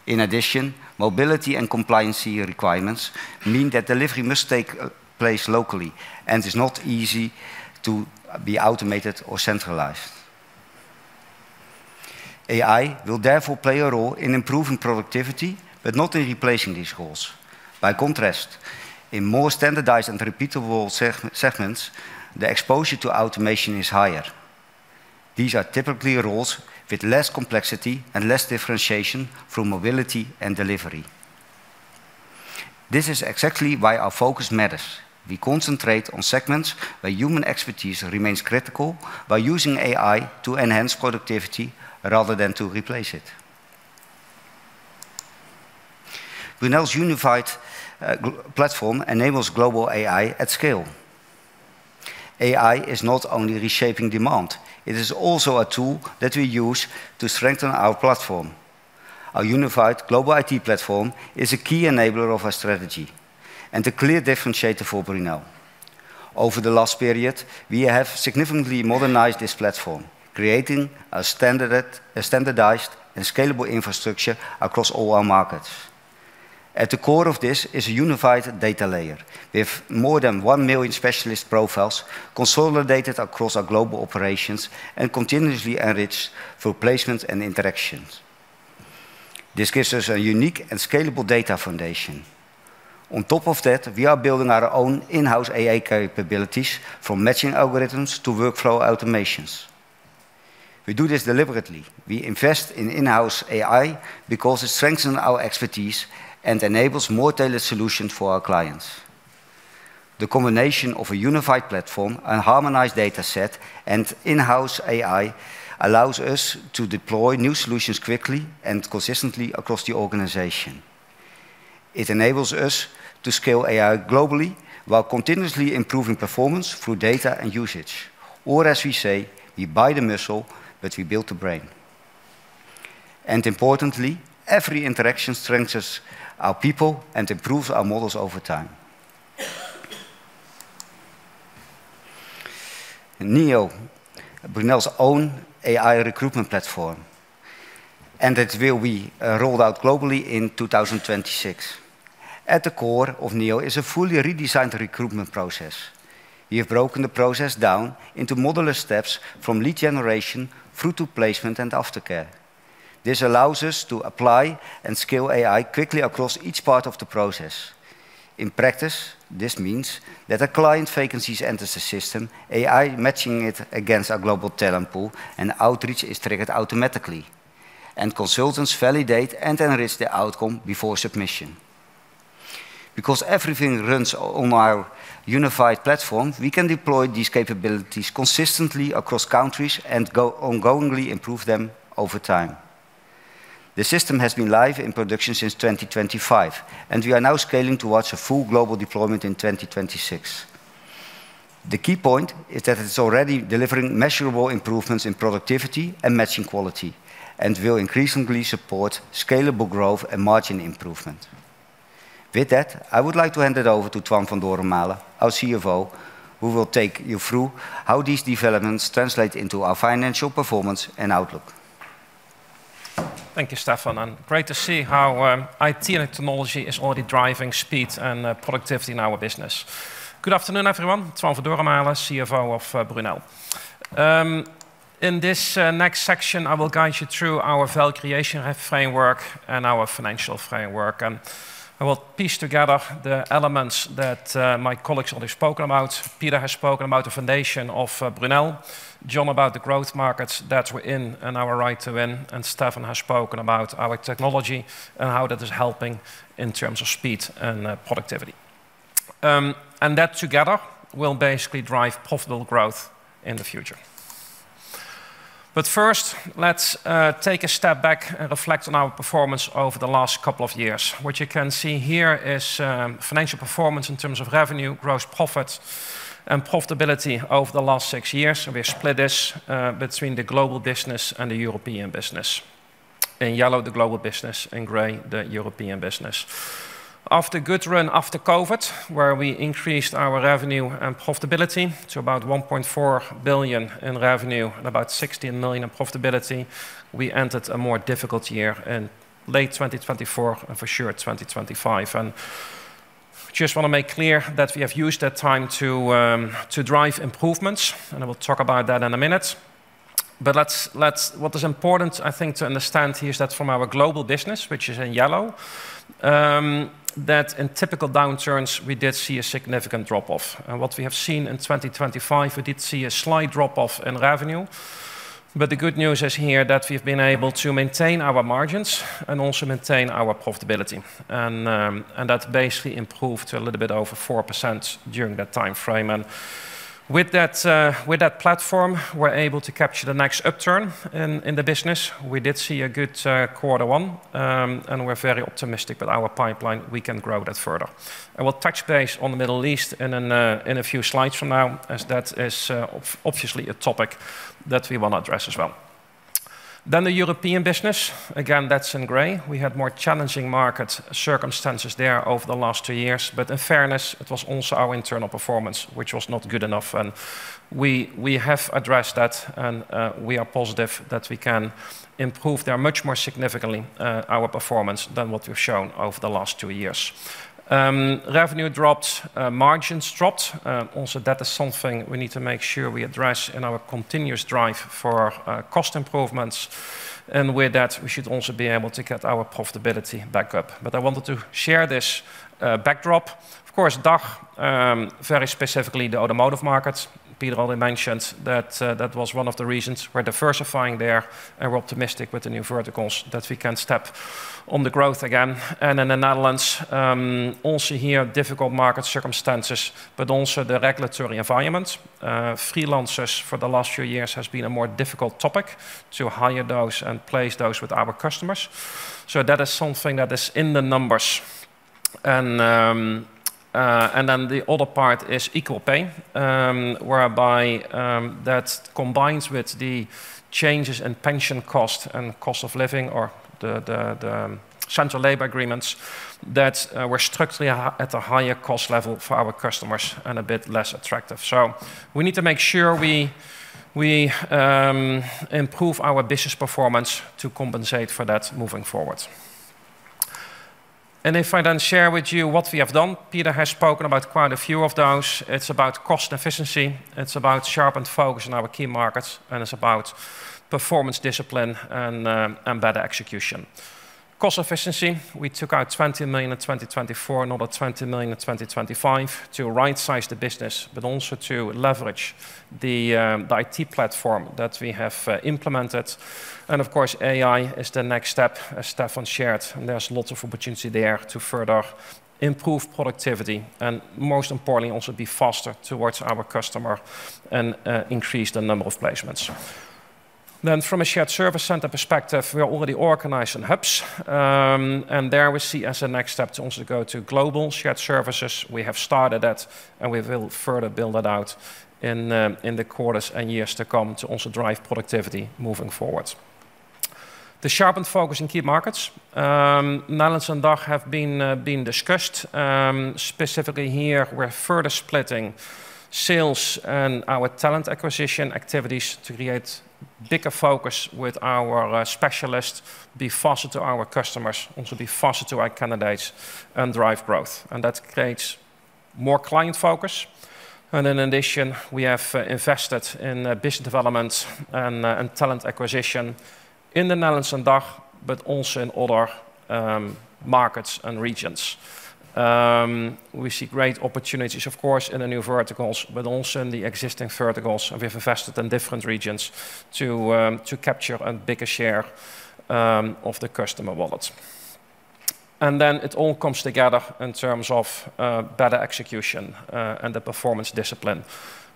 In addition, mobility and compliancy requirements mean that delivery must take place locally and is not easy to be automated or centralized. AI will therefore play a role in improving productivity but not in replacing these roles. By contrast, in more standardized and repeatable segments, the exposure to automation is higher. These are typically roles with less complexity and less differentiation through mobility and delivery. This is exactly why our focus matters. We concentrate on segments where human expertise remains critical by using AI to enhance productivity rather than to replace it. Brunel's unified platform enables global AI at scale. AI is not only reshaping demand, it is also a tool that we use to strengthen our platform. Our unified global IT platform is a key enabler of our strategy and a clear differentiator for Brunel. Over the last period, we have significantly modernized this platform, creating a standardized and scalable infrastructure across all our markets. At the core of this is a unified data layer. We have more than 1 million specialist profiles consolidated across our global operations and continuously enriched through placements and interactions. This gives us a unique and scalable data foundation. On top of that, we are building our own in-house AI capabilities from matching algorithms to workflow automations. We do this deliberately. We invest in in-house AI because it strengthens our expertise and enables more tailored solutions for our clients. The combination of a unified platform, a harmonized data set, and in-house AI allows us to deploy new solutions quickly and consistently across the organization. It enables us to scale AI globally while continuously improving performance through data and usage. As we say, we buy the muscle, but we build the brain. Importantly, every interaction strengthens our people and improves our models over time. NEO, Brunel's own AI recruitment platform, and it will be rolled out globally in 2026. At the core of NEO is a fully redesigned recruitment process. We have broken the process down into modular steps from lead generation through to placement and aftercare. This allows us to apply and scale AI quickly across each part of the process. In practice, this means that a client vacancy enters the system, AI matching it against our global talent pool, and outreach is triggered automatically, and consultants validate and enrich the outcome before submission. Because everything runs on our unified platform, we can deploy these capabilities consistently across countries and ongoingly improve them over time. The system has been live in production since 2025, and we are now scaling towards a full global deployment in 2026. The key point is that it's already delivering measurable improvements in productivity and matching quality and will increasingly support scalable growth and margin improvement. With that, I would like to hand it over to Toine van Doremalen, our CFO, who will take you through how these developments translate into our financial performance and outlook. Thank you, Stefan, great to see how IT and technology is already driving speed and productivity in our business. Good afternoon, everyone. Toine van Doremalen, CFO of Brunel. In this next section, I will guide you through our value creation framework and our financial framework, I will piece together the elements that my colleagues already spoken about. Peter has spoken about the foundation of Brunel, Jon about the growth markets that we're in and our right to win, Stefan has spoken about our technology and how that is helping in terms of speed and productivity. That together will basically drive profitable growth in the future. First, let's take a step back and reflect on our performance over the last couple of years. What you can see here is financial performance in terms of revenue, gross profit, and profitability over the last six years. We split this between the global business and the European business. In yellow, the global business, in gray, the European business. After good run after COVID, where we increased our revenue and profitability to about 1.4 billion in revenue and about 16 million in profitability, we entered a more difficult year in late 2024 and for sure 2025. Just want to make clear that we have used that time to drive improvements, and I will talk about that in a minute. What is important, I think, to understand here is that from our global business, which is in yellow, that in typical downturns, we did see a significant drop-off. What we have seen in 2025, we did see a slight drop-off in revenue. The good news is here that we've been able to maintain our margins and also maintain our profitability. That basically improved to a little bit over 4% during that timeframe. With that, with that platform, we're able to capture the next upturn in the business. We did see a good Q1, we're very optimistic with our pipeline we can grow that further. I will touch base on the Middle East in a few slides from now, as that is obviously a topic that we wanna address as well. The European business, again, that's in gray. We had more challenging market circumstances there over the last two years, but in fairness, it was also our internal performance, which was not good enough. We have addressed that and we are positive that we can improve there much more significantly our performance than what we've shown over the last two years. Revenue dropped, margins dropped. Also, that is something we need to make sure we address in our continuous drive for cost improvements. With that, we should also be able to get our profitability back up. I wanted to share this backdrop. Of course, DACH, very specifically the automotive markets, Peter already mentioned that was one of the reasons we're diversifying there, and we're optimistic with the new verticals that we can step on the growth again. In the Netherlands, also here, difficult market circumstances, but also the regulatory environment. Freelancers for the last few years has been a more difficult topic to hire those and place those with our customers. That is something that is in the numbers. The other part is equal pay, whereby that combines with the changes in pension cost and cost of living or the collective labor agreements that we're strictly at a higher cost level for our customers and a bit less attractive. We need to make sure we improve our business performance to compensate for that moving forward. If I then share with you what we have done, Peter has spoken about quite a few of those. It's about cost efficiency, it's about sharpened focus in our key markets, it's about performance discipline and better execution. Cost efficiency, we took out 20 million in 2024, another 20 million in 2025 to rightsize the business, also to leverage the IT platform that we have implemented. Of course, AI is the next step, as Stefan shared, there's lots of opportunity there to further improve productivity, most importantly, also be faster towards our customer and increase the number of placements. From a shared service center perspective, we are already organized in hubs. There we see as a next step to also go to global shared services. We have started that, we will further build that out in the quarters and years to come to also drive productivity moving forward. The sharpened focus in key markets, Netherlands and DACH have been discussed. Specifically here, we're further splitting sales and our talent acquisition activities to create bigger focus with our specialists, be faster to our customers, also be faster to our candidates, and drive growth. That creates more client focus. In addition, we have invested in business development and talent acquisition in the Netherlands and DACH, but also in other markets and regions. We see great opportunities, of course, in the new verticals, but also in the existing verticals. We have invested in different regions to capture a bigger share of the customer wallets. It all comes together in terms of better execution and the performance discipline.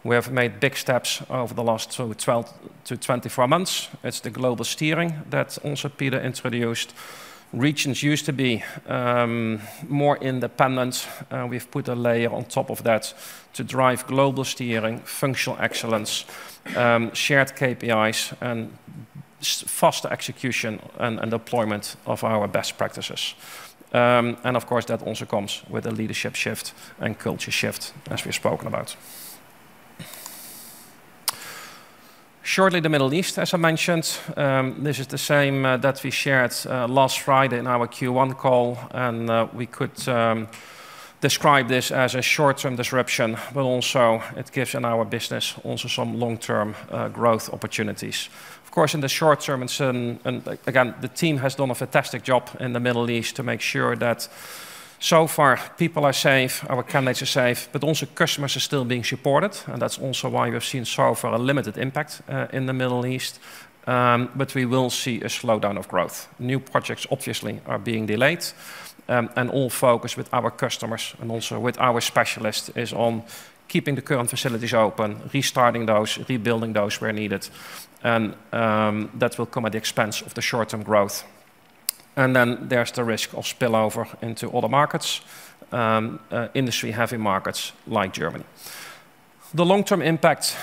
We have made big steps over the last sort of 12 to 24 months. It's the global steering that also Peter introduced. Regions used to be more independent. We've put a layer on top of that to drive global steering, functional excellence, shared KPIs, and faster execution and deployment of our best practices. Of course, that also comes with a leadership shift and culture shift, as we've spoken about. Shortly, the Middle East, as I mentioned, this is the same that we shared last Friday in our Q1 call, and we could describe this as a short-term disruption, but also it gives in our business also some long-term growth opportunities. Of course, in the short term, again, the team has done a fantastic job in the Middle East to make sure that so far people are safe, our candidates are safe, but also customers are still being supported. That's also why you have seen so far a limited impact in the Middle East. We will see a slowdown of growth. New projects obviously are being delayed, all focus with our customers and also with our specialists is on keeping the current facilities open, restarting those, rebuilding those where needed. That will come at the expense of the short-term growth. There's the risk of spillover into other markets, industry-heavy markets like Germany. The long-term impact,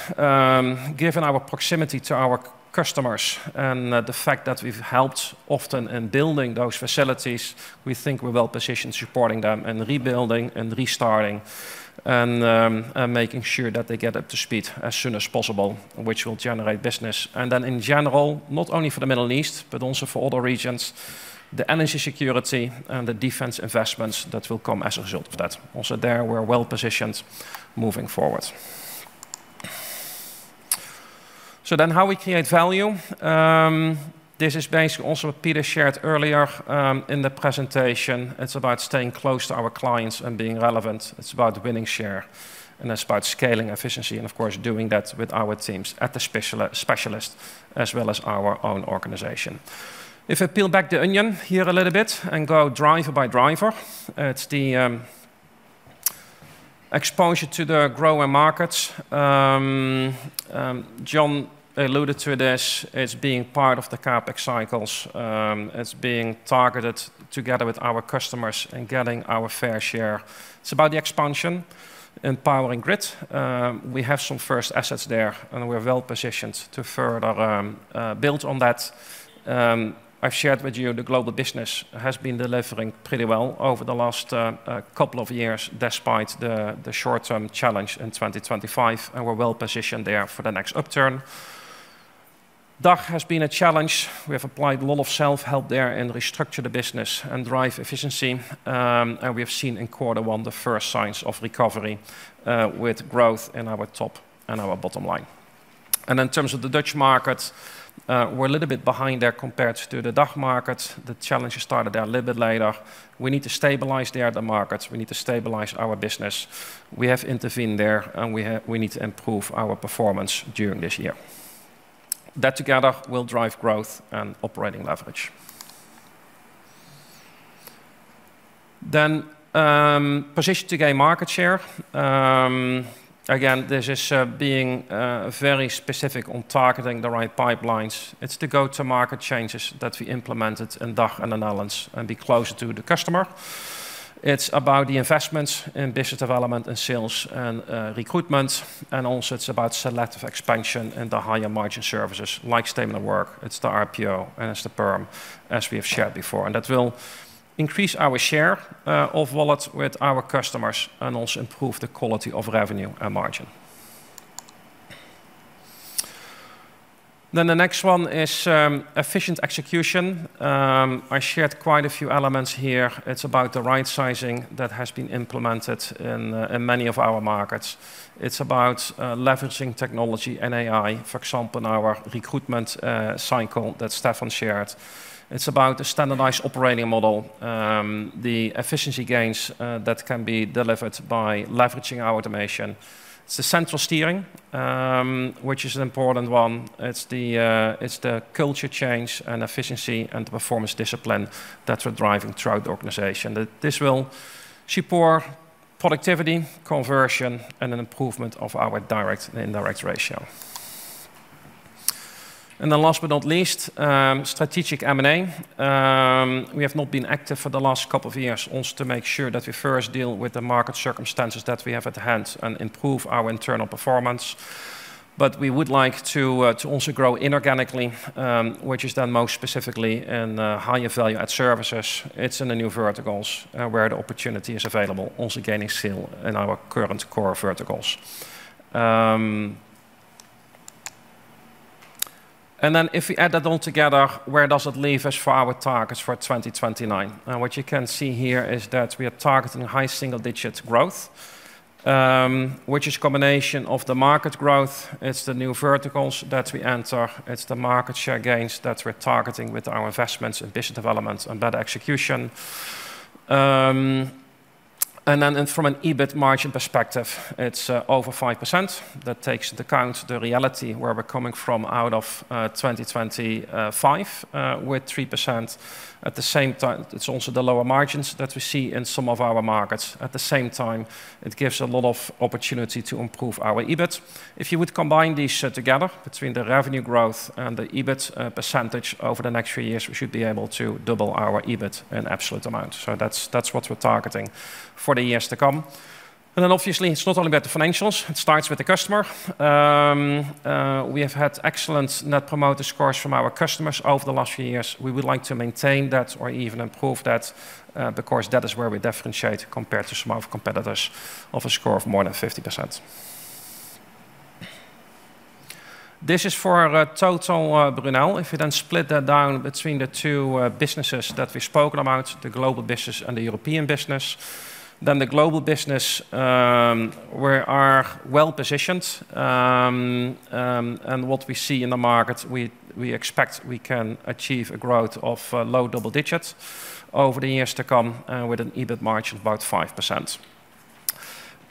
given our proximity to our customers and the fact that we've helped often in building those facilities, we think we're well-positioned supporting them and rebuilding and restarting and making sure that they get up to speed as soon as possible, which will generate business. In general, not only for the Middle East, but also for other regions, the energy security and the defense investments that will come as a result of that. Also there, we're well-positioned moving forward. How we create value, this is based also what Peter shared earlier in the presentation. It's about staying close to our clients and being relevant. It's about winning share, and it's about scaling efficiency, and of course, doing that with our teams at the specialist as well as our own organization. If I peel back the onion here a little bit and go driver by driver, it's the exposure to the growing markets. Jon alluded to this as being part of the CapEx cycles, as being targeted together with our customers and getting our fair share. It's about the expansion in Power & Grid. We have some first assets there, and we're well-positioned to further build on that. I've shared with you the global business has been delivering pretty well over the last couple of years despite the short-term challenge in 2025, and we're well-positioned there for the next upturn. DACH has been a challenge. We have applied a lot of self-help there and restructured the business and drive efficiency, and we have seen in quarter one the first signs of recovery with growth in our top and our bottom line. In terms of the Dutch markets, we're a little bit behind there compared to the DACH markets. The challenge started there a little bit later. We need to stabilize there the markets. We need to stabilize our business. We have intervened there, and we need to improve our performance during this year. That together will drive growth and operating leverage. Position to gain market share. Again, this is being very specific on targeting the right pipelines. It's the go-to-market changes that we implemented in DACH and the Netherlands and be closer to the customer. It's about the investments in business development and sales and recruitment, also it's about selective expansion in the higher margin services like statement of work. It's the RPO, and it's the PERM, as we have shared before. That will increase our share of wallets with our customers and also improve the quality of revenue and margin. The next one is efficient execution. I shared quite a few elements here. It's about the right sizing that has been implemented in many of our markets. It's about leveraging technology and AI. For example, our recruitment cycle that Stefan shared. It's about a standardized operating model, the efficiency gains that can be delivered by leveraging our automation. It's the central steering, which is an important one. It's the, it's the culture change and efficiency and performance discipline that we're driving throughout the organization. This will support productivity, conversion, and an improvement of our direct and indirect ratio. Last but not least, strategic M&A. We have not been active for the last couple of years, also to make sure that we first deal with the market circumstances that we have at hand and improve our internal performance. We would like to also grow inorganically, which is done most specifically in higher value-add services. It's in the new verticals, where the opportunity is available, also gaining scale in our current core verticals. If we add that all together, where does it leave us for our targets for 2029? What you can see here is that we are targeting high single-digit growth, which is combination of the market growth. It's the new verticals that we enter. It's the market share gains that we're targeting with our investments in business development and better execution. From an EBIT margin perspective, it's over 5%. That takes into account the reality where we're coming from out of 2025, with 3%. At the same time, it's also the lower margins that we see in some of our markets. At the same time, it gives a lot of opportunity to improve our EBIT. If you would combine these together between the revenue growth and the EBIT percentage over the next few years, we should be able to double our EBIT in absolute amount. That's what we're targeting for the years to come. Obviously, it's not only about the financials. It starts with the customer. We have had excellent Net Promoter Score from our customers over the last few years. We would like to maintain that or even improve that, because that is where we differentiate compared to some of our competitors of a score of more than 50%. This is for total Brunel. If you split that down between the two businesses that we've spoken about, the global business and the European business, the global business, we are well-positioned. What we see in the markets, we expect we can achieve a growth of low double digits over the years to come, with an EBIT margin of about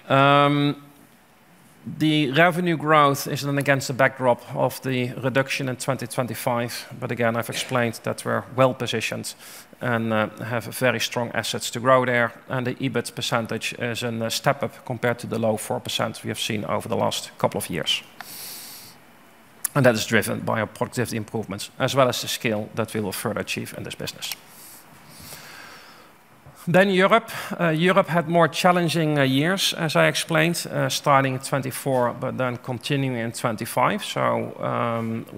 5%. The revenue growth is against the backdrop of the reduction in 2025. Again, I've explained that we're well-positioned and have very strong assets to grow there. The EBIT percentage is in a step-up compared to the low 4% we have seen over the last couple of years. That is driven by our productivity improvements as well as the scale that we will further achieve in this business. Europe. Europe had more challenging years, as I explained, starting in 2024 but continuing in 2025.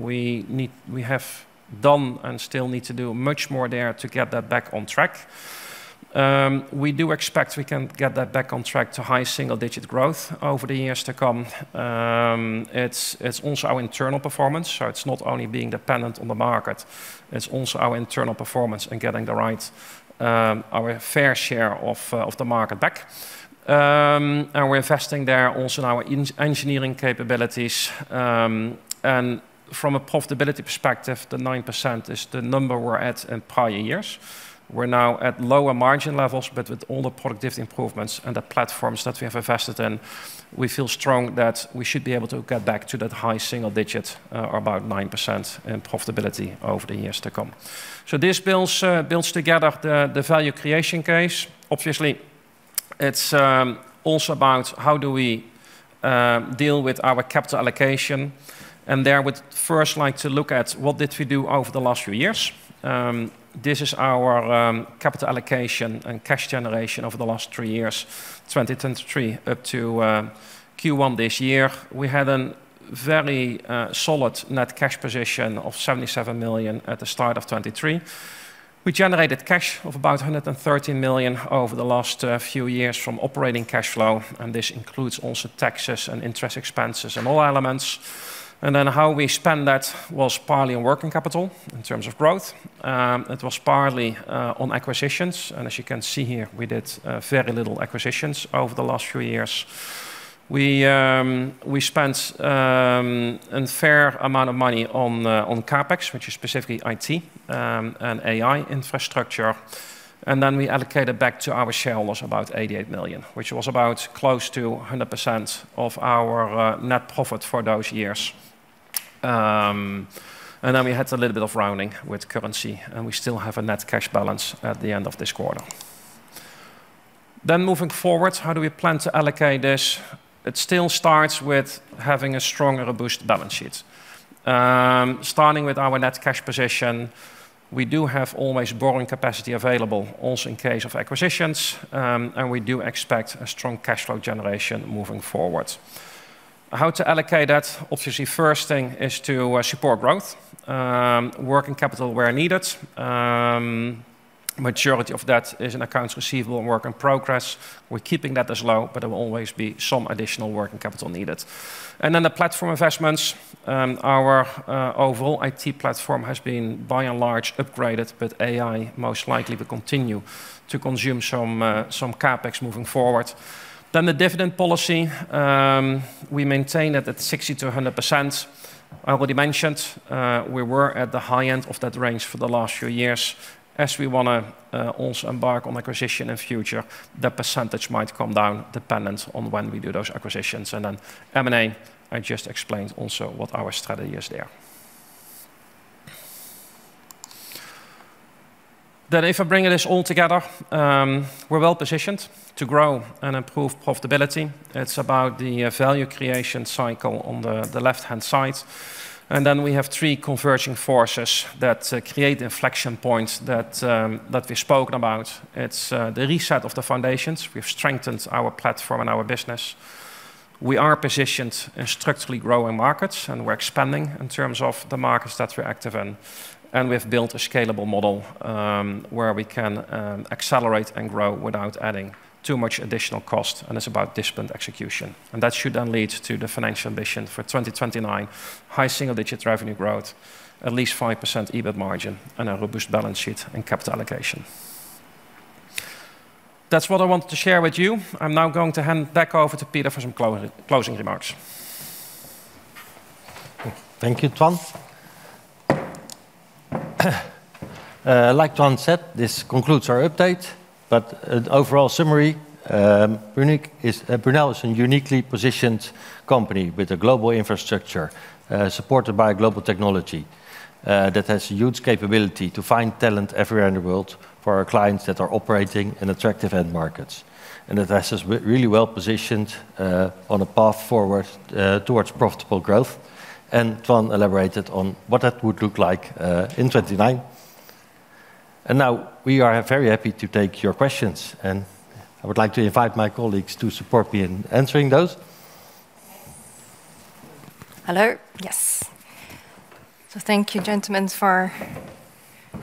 We have done and still need to do much more there to get that back on track. We do expect we can get that back on track to high single-digit growth over the years to come. It's also our internal performance, so it's not only being dependent on the market, it's also our internal performance and getting the right, our fair share of the market back. And we're investing there also in our engineering capabilities, and from a profitability perspective, the 9% is the number we're at in prior years. We're now at lower margin levels, but with all the productivity improvements and the platforms that we have invested in, we feel strong that we should be able to get back to that high single-digit, or about 9% in profitability over the years to come. This builds together the value creation case. Obviously, it's also about how do we deal with our capital allocation, there I would first like to look at what did we do over the last few years. This is our capital allocation and cash generation over the last three years, 2010 to three up to Q1 this year. We had a very solid net cash position of 77 million at the start of 2023. We generated cash of about 130 million over the last few years from operating cash flow, this includes also taxes and interest expenses and all elements. How we spend that was partly on working capital in terms of growth. It was partly on acquisitions. As you can see here, we did very little acquisitions over the last few years. We spent a fair amount of money on CapEx, which is specifically IT and AI infrastructure. We allocated back to our shareholders about 88 million, which was about close to 100% of our net profit for those years. We had a little bit of rounding with currency, and we still have a net cash balance at the end of this quarter. Moving forward, how do we plan to allocate this? It still starts with having a strong and robust balance sheet. Starting with our net cash position, we do have always borrowing capacity available also in case of acquisitions, and we do expect a strong cash flow generation moving forward. How to allocate that? Obviously, first thing is to support growth, working capital where needed. Majority of that is in accounts receivable and work in progress. We're keeping that as low, but there will always be some additional working capital needed. The platform investments, our overall IT platform has been by and large upgraded, but AI most likely will continue to consume some CapEx moving forward. The dividend policy, we maintain it at 60%-100%. I already mentioned, we were at the high end of that range for the last few years. As we wanna also embark on acquisition in future, the percentage might come down dependent on when we do those acquisitions. M&A, I just explained also what our strategy is there. If I bring this all together, we're well-positioned to grow and improve profitability. It's about the value creation cycle on the left-hand side. We have three converging forces that create inflection points that we've spoken about. It's the reset of the foundations. We've strengthened our platform and our business. We are positioned in structurally growing markets, and we're expanding in terms of the markets that we're active in. We've built a scalable model where we can accelerate and grow without adding too much additional cost, and it's about disciplined execution. That should then lead to the financial ambition for 2029, high single-digit revenue growth, at least 5% EBIT margin, and a robust balance sheet and capital allocation. That's what I wanted to share with you. I'm now going to hand back over to Peter de Laat for some closing remarks. Thank you, Toine. Like Toine said, this concludes our update. Overall summary, Brunel is a uniquely positioned company with a global infrastructure, supported by global technology, that has huge capability to find talent everywhere in the world for our clients that are operating in attractive end markets. That has us really well positioned on a path forward towards profitable growth. Toine elaborated on what that would look like in 2029. Now we are very happy to take your questions, and I would like to invite my colleagues to support me in answering those. Hello? Yes. Thank you, gentlemen, for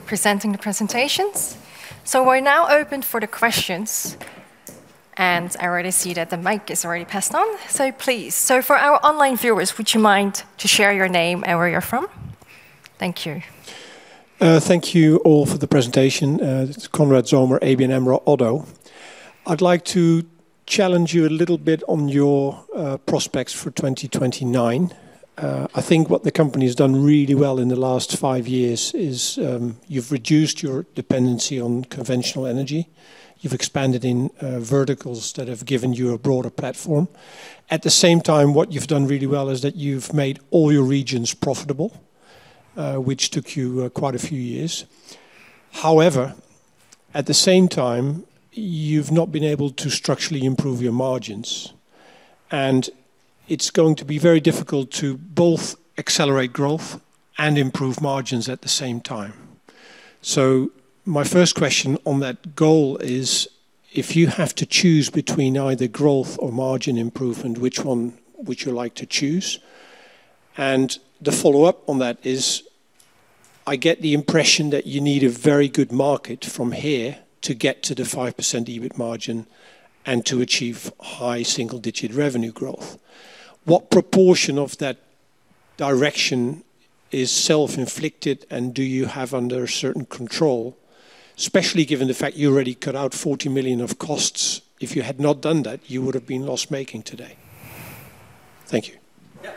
presenting the presentations. We're now open for the questions, and I already see that the mic is already passed on. Please. For our online viewers, would you mind to share your name and where you're from? Thank you. Thank you all for the presentation. It's Konrad Zomer, ABN AMRO – ODDO BHF. I'd like to challenge you a little bit on your prospects for 2029. I think what the company has done really well in the last five years is, you've reduced your dependency on conventional energy. You've expanded in verticals that have given you a broader platform. At the same time, what you've done really well is that you've made all your regions profitable, which took you quite a few years. However, at the same time, you've not been able to structurally improve your margins, and it's going to be very difficult to both accelerate growth and improve margins at the same time. My first question on that goal is, if you have to choose between either growth or margin improvement, which one would you like to choose? The follow-up on that is. I get the impression that you need a very good market from here to get to the 5% EBIT margin and to achieve high single-digit revenue growth. What proportion of that direction is self-inflicted, and do you have under certain control? Especially given the fact you already cut out 40 million of costs. If you had not done that, you would have been loss-making today. Thank you. Yes,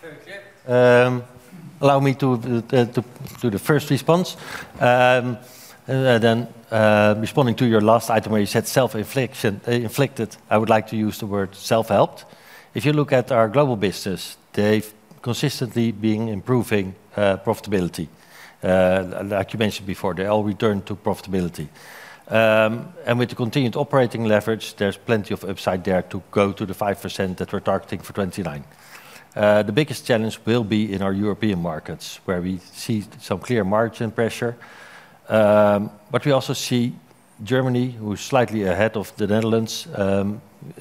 very clear. Allow me to do the first response. Responding to your last item, where you said self-inflicted, I would like to use the word self-helped. If you look at our global business, they've consistently been improving profitability. Like you mentioned before, they all return to profitability. With the continued operating leverage, there's plenty of upside there to go to the 5% that we're targeting for 2029. The biggest challenge will be in our European markets, where we see some clear margin pressure. We also see Germany, who's slightly ahead of the Netherlands,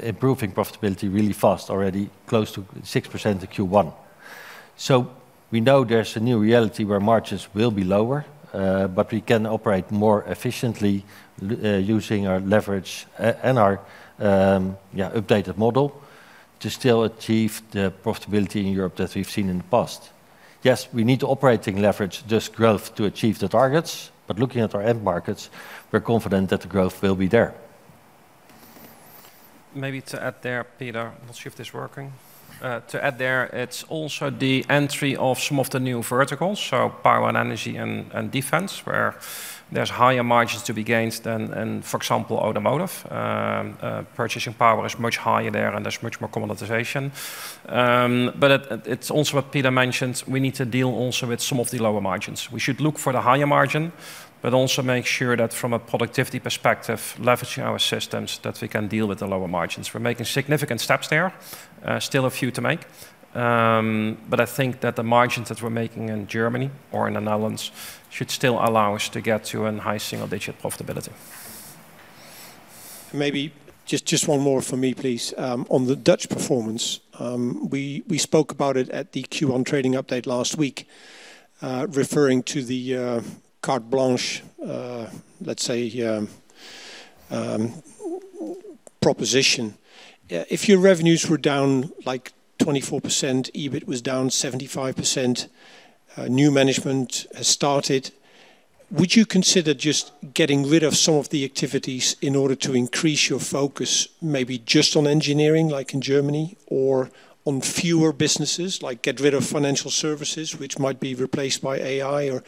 improving profitability really fast, already close to 6% in Q1. We know there's a new reality where margins will be lower, but we can operate more efficiently using our leverage and our updated model to still achieve the profitability in Europe that we've seen in the past. Yes, we need the operating leverage, this growth, to achieve the targets. Looking at our end markets, we're confident that the growth will be there. Maybe to add there, Peter de Laat, not sure if this working. To add there, it's also the entry of some of the new verticals, so power and energy and defense, where there's higher margins to be gained than in, for example, automotive. Purchasing power is much higher there, and there's much more commoditization. It's also what Peter de Laat mentioned. We need to deal also with some of the lower margins. We should look for the higher margin, but also make sure that from a productivity perspective, leveraging our systems, that we can deal with the lower margins. We're making significant steps there, still a few to make. I think that the margins that we're making in Germany or in the Netherlands should still allow us to get to an high single-digit profitability. Maybe just one more from me, please. On the Dutch performance, we spoke about it at the Q1 trading update last week, referring to the carte blanche, let's say, proposition. If your revenues were down, like, 24%, EBIT was down 75%, new management has started, would you consider just getting rid of some of the activities in order to increase your focus, maybe just on engineering, like in Germany, or on fewer businesses, like get rid of financial services, which might be replaced by AI or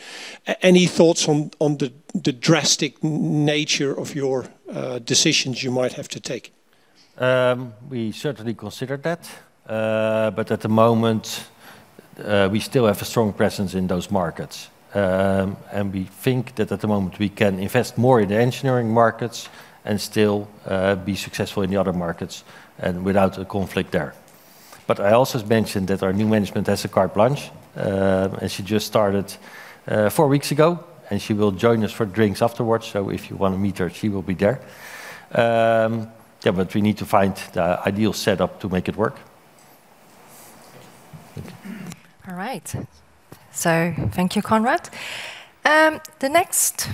any thoughts on the drastic nature of your decisions you might have to take? We certainly consider that. At the moment, we still have a strong presence in those markets. We think that at the moment, we can invest more in the engineering markets and still be successful in the other markets and without a conflict there. I also mentioned that our new management has a carte blanche. She just started, four weeks ago, and she will join us for drinks afterwards. If you wanna meet her, she will be there. Yeah, we need to find the ideal setup to make it work. All right. Thank you, Konrad. The next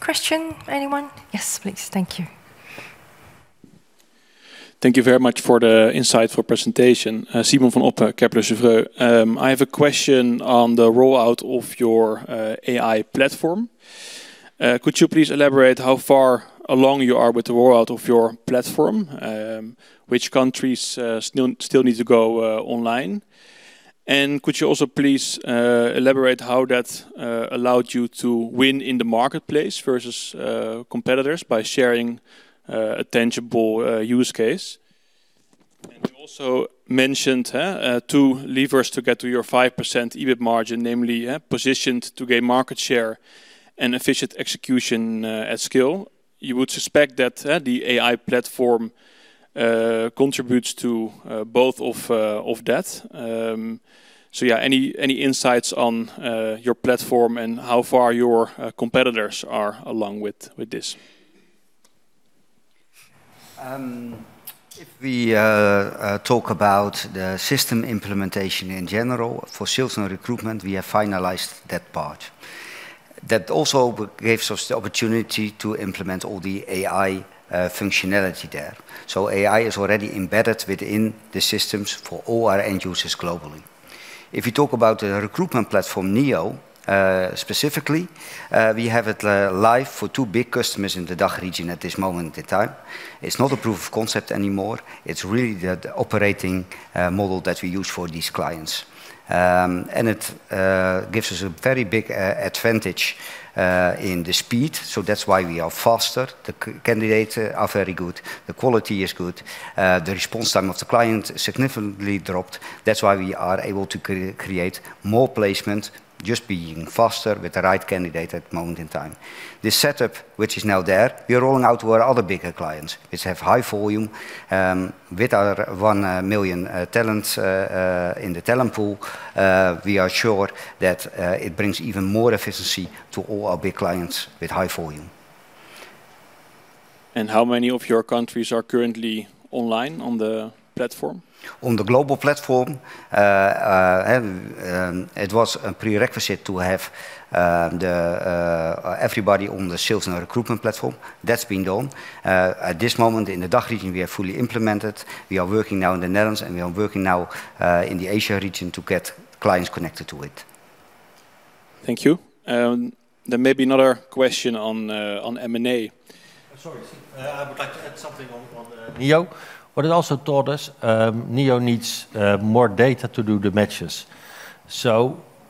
question, anyone? Yes, please. Thank you. Thank you very much for the insightful presentation. Simon van Oppen, Kepler Cheuvreux. I have a question on the rollout of your AI platform. Could you please elaborate how far along you are with the rollout of your platform? Which countries still need to go online? Could you also please elaborate how that allowed you to win in the marketplace versus competitors by sharing a tangible use case? You also mentioned two levers to get to your 5% EBIT margin, namely, yeah, positioned to gain market share and efficient execution at scale. You would suspect that the AI platform contributes to both of that. Yeah, any insights on your platform and how far your competitors are along with this? If we talk about the system implementation in general, for sales and recruitment, we have finalized that part. That also gives us the opportunity to implement all the AI functionality there. AI is already embedded within the systems for all our end users globally. If you talk about the recruitment platform, NEO, specifically, we have it live for two big customers in the DACH region at this moment in time. It's not a proof of concept anymore. It's really the operating model that we use for these clients. It gives us a very big advantage in the speed, so that's why we are faster. The candidates are very good. The quality is good. The response time of the client significantly dropped. That's why we are able to create more placement just being faster with the right candidate at the moment in time. This setup, which is now there, we are rolling out to our other bigger clients, which have high volume. With our 1 million talents in the talent pool, we are sure that it brings even more efficiency to all our big clients with high volume. How many of your countries are currently online on the platform? On the global platform, have, it was a prerequisite to have everybody on the sales and recruitment platform. That's been done. At this moment in the DACH region, we are fully implemented. We are working now in the Netherlands, and we are working now in the Asia region to get clients connected to it. Thank you. There may be another question on M&A. I'm sorry. I would like to add something on Neo. What it also taught us, Neo needs more data to do the matches.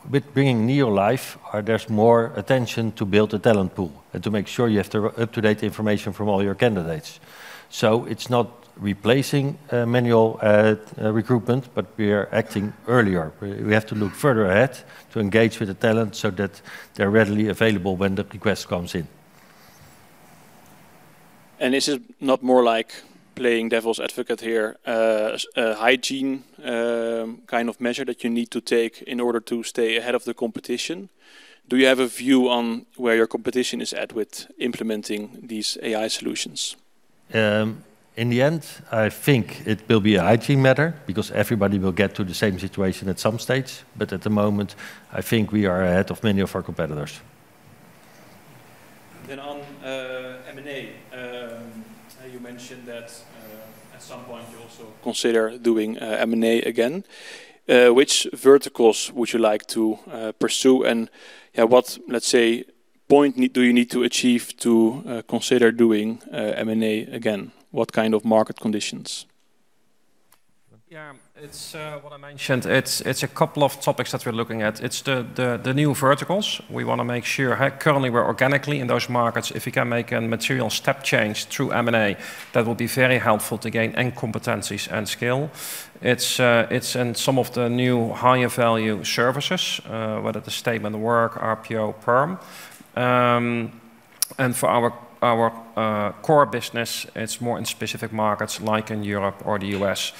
With bringing Neo live, there's more attention to build a talent pool and to make sure you have the up-to-date information from all your candidates. It's not replacing manual recruitment, but we are acting earlier. We have to look further ahead to engage with the talent so that they're readily available when the request comes in. Is it not more like, playing devil's advocate here, a hygiene kind of measure that you need to take in order to stay ahead of the competition? Do you have a view on where your competition is at with implementing these AI solutions? In the end, I think it will be a hygiene matter because everybody will get to the same situation at some stage. At the moment, I think we are ahead of many of our competitors. On M&A, you mentioned that at some point you also consider doing M&A again. Which verticals would you like to pursue? Yeah, what, let's say, point do you need to achieve to consider doing M&A again? What kind of market conditions? What I mentioned, it's a couple of topics that we're looking at. It's the new verticals. We want to make sure. Currently, we're organically in those markets. If we can make a material step change through M&A, that will be very helpful to gain end competencies and skill. It's in some of the new higher-value services, whether it is statement of work, RPO, perm. For our core business, it's more in specific markets like in Europe or the U.S.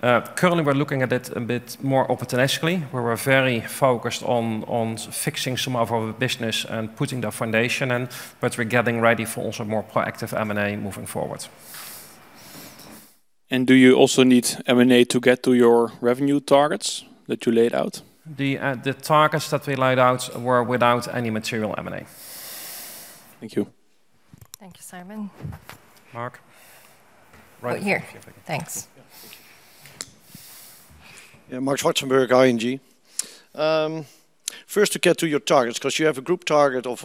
Currently, we're looking at it a bit more opportunistically, where we're very focused on fixing some of our business and putting the foundation in. We're getting ready for also more proactive M&A moving forward. Do you also need M&A to get to your revenue targets that you laid out? The targets that we laid out were without any material M&A. Thank you. Thank you, Simon. Marc. Right. Oh, here. Thanks. Yeah. Thank you. Marc Zwartsenburg, ING. First, to get to your targets, 'cause you have a group target of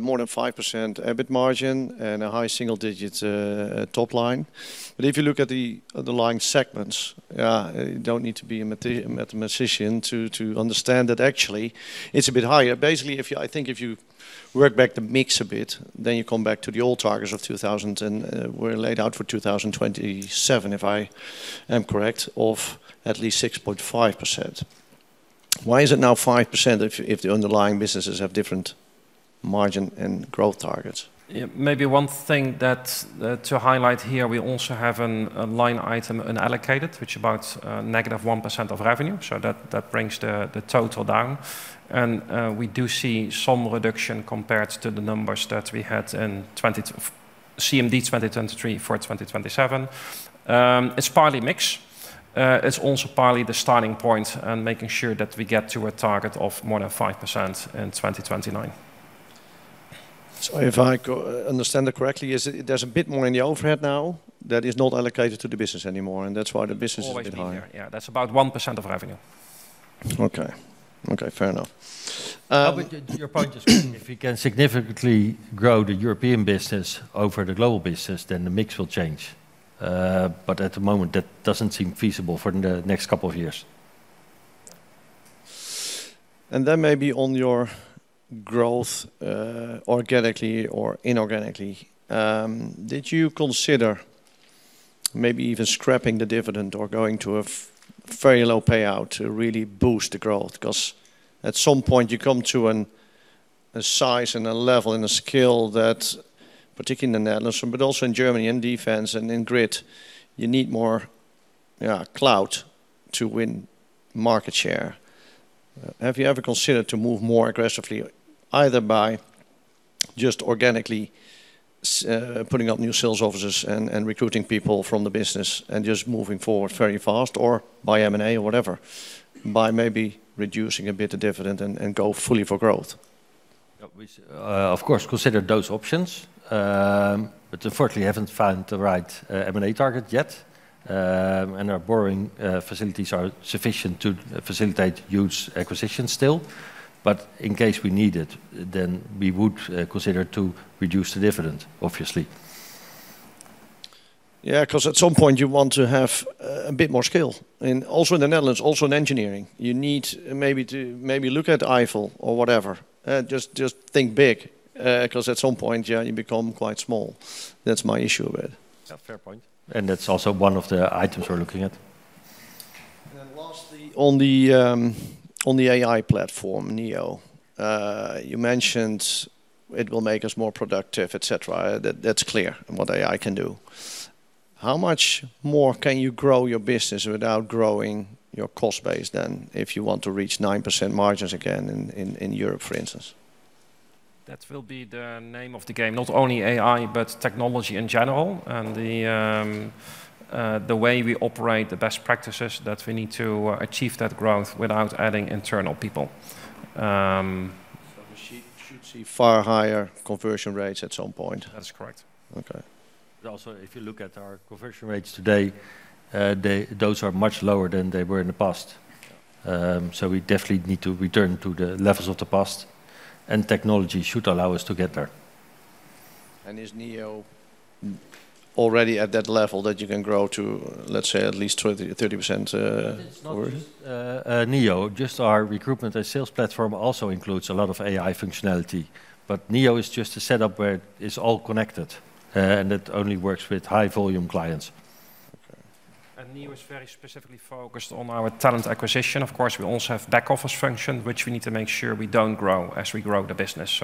more than 5% EBIT margin and a high single digits top line. If you look at the underlying segments, you don't need to be a mathematician to understand that actually it's a bit higher. Basically, if you work back the mix a bit, then you come back to the old targets of 2000 and were laid out for 2027, if I am correct, of at least 6.5%. Why is it now 5% if the underlying businesses have different margin and growth targets? Yeah. Maybe one thing that to highlight here, we also have a line item unallocated, which about negative 1% of revenue. That brings the total down. We do see some reduction compared to the numbers that we had in 20 CMD 2023 for 2027. It's partly mix. It's also partly the starting point and making sure that we get to a target of more than 5% in 2029. if I understand that correctly, is there's a bit more in the overhead now that is not allocated to the business anymore, and that's why the business is a bit higher. Always been there. Yeah. That's about 1% of revenue. Okay. Okay, fair enough. To your point is if you can significantly grow the European business over the global business, then the mix will change. At the moment, that doesn't seem feasible for the next couple of years. Maybe on your growth, organically or inorganically, did you consider maybe even scrapping the dividend or going to a very low payout to really boost the growth? Because at some point you come to a size and a level and a scale that, particularly in the Netherlands, but also in Germany, in defense and in Power & Grid, you need more clout to win market share. Have you ever considered to move more aggressively, either by just organically putting up new sales offices and recruiting people from the business and just moving forward very fast or by M&A or whatever, by maybe reducing a bit of dividend and go fully for growth? Yeah. We, of course, considered those options, unfortunately haven't found the right M&A target yet. Our borrowing facilities are sufficient to facilitate huge acquisitions still. In case we need it, then we would consider to reduce the dividend, obviously. Yeah, 'cause at some point you want to have a bit more scale. Also in the Netherlands, also in engineering, you need to look at Eiffel or whatever. Just think big, 'cause at some point, yeah, you become quite small. That's my issue with it. Yeah, fair point. That's also one of the items we're looking at. Lastly, on the on the AI platform, NEO, you mentioned it will make us more productive, et cetera. That's clear in what AI can do. How much more can you grow your business without growing your cost base than if you want to reach 9% margins again in, in Europe, for instance? That will be the name of the game. Not only AI, but technology in general and the way we operate, the best practices that we need to achieve that growth without adding internal people. We should see far higher conversion rates at some point? That's correct. Okay. If you look at our conversion rates today, those are much lower than they were in the past. We definitely need to return to the levels of the past, and technology should allow us to get there. Is NEO already at that level that you can grow to, let's say, at least 20%, 30%? It is not just NEO. Just our recruitment and sales platform also includes a lot of AI functionality. NEO is just a setup where it's all connected, and it only works with high-volume clients. Okay. NEO is very specifically focused on our talent acquisition. Of course, we also have back office function, which we need to make sure we don't grow as we grow the business.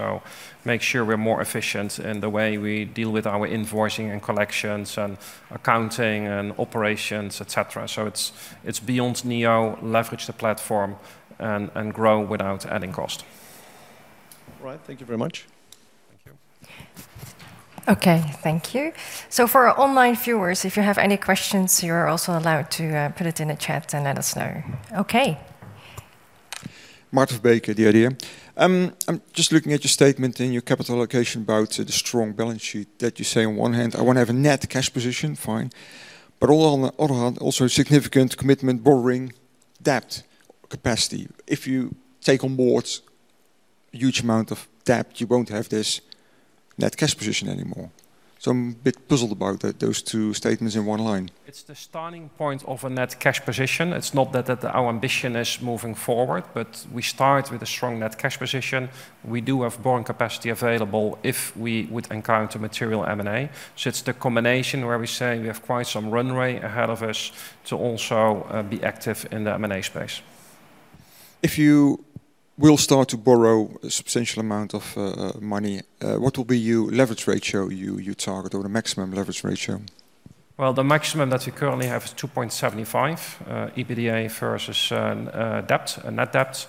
Make sure we're more efficient in the way we deal with our invoicing and collections and accounting and operations, et cetera. It's, it's beyond NEO, leverage the platform and grow without adding cost. All right. Thank you very much. Thank you. Okay. Thank you. For our online viewers, if you have any questions, you're also allowed to put it in the chat and let us know. Okay. Maarten Verbeek at at the IDEA. I'm just looking at your statement in your capital allocation about the strong balance sheet that you say on one hand, "I want to have a net cash position." Fine. On the other hand, also significant commitment borrowing debt capacity. If you take on board huge amount of debt, you won't have this net cash position anymore. I'm a bit puzzled about that, those two statements in one line. It's the starting point of a net cash position. It's not that our ambition is moving forward, but we start with a strong net cash position. We do have borrowing capacity available if we would encounter material M&A. It's the combination where we say we have quite some runway ahead of us to also be active in the M&A space. If you will start to borrow a substantial amount of money, what will be your leverage ratio you target, or the maximum leverage ratio? Well, the maximum that we currently have is 2.75 EBITDA versus debt, net debt.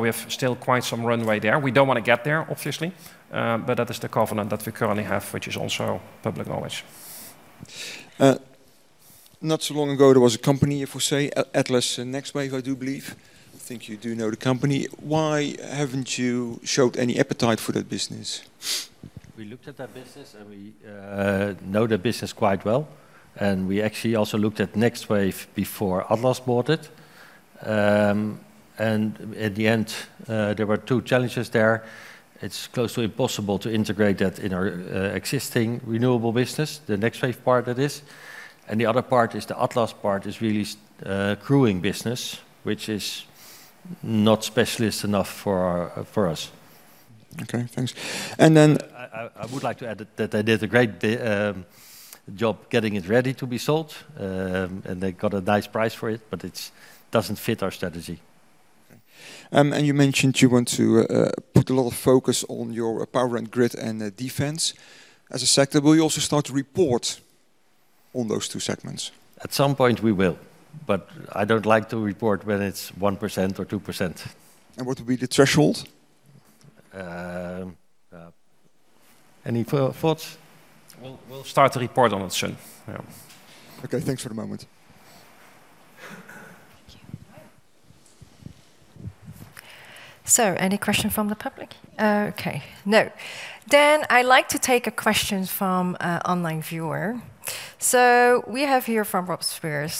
We have still quite some runway there. We don't want to get there, obviously. That is the covenant that we currently have, which is also public knowledge. Not so long ago, there was a company, if we say, Atlas and NextWave, I do believe. I think you do know the company. Why haven't you showed any appetite for that business? We looked at that business, and we know the business quite well. We actually also looked at NextWave Partners before Atlas NextWave bought it. At the end, there were two challenges there. It's close to impossible to integrate that in our existing renewable business, the NextWave Partners part that is. The other part is the Atlas NextWave part is really growing business, which is not specialist enough for us. Okay. Thanks. I would like to add that they did a great job getting it ready to be sold. They got a nice price for it, but it doesn't fit our strategy. Okay. You mentioned you want to put a lot of focus on your Power & Grid and defense as a sector. Will you also start to report on those two segments? At some point, we will. I don't like to report when it's 1% or 2%. What will be the threshold? Any thoughts? We'll start to report on it soon. Yeah. Okay. Thanks for the moment. Thank you. Any question from the public? Okay. No. I like to take a question from a online viewer. We have here from Rob Spears.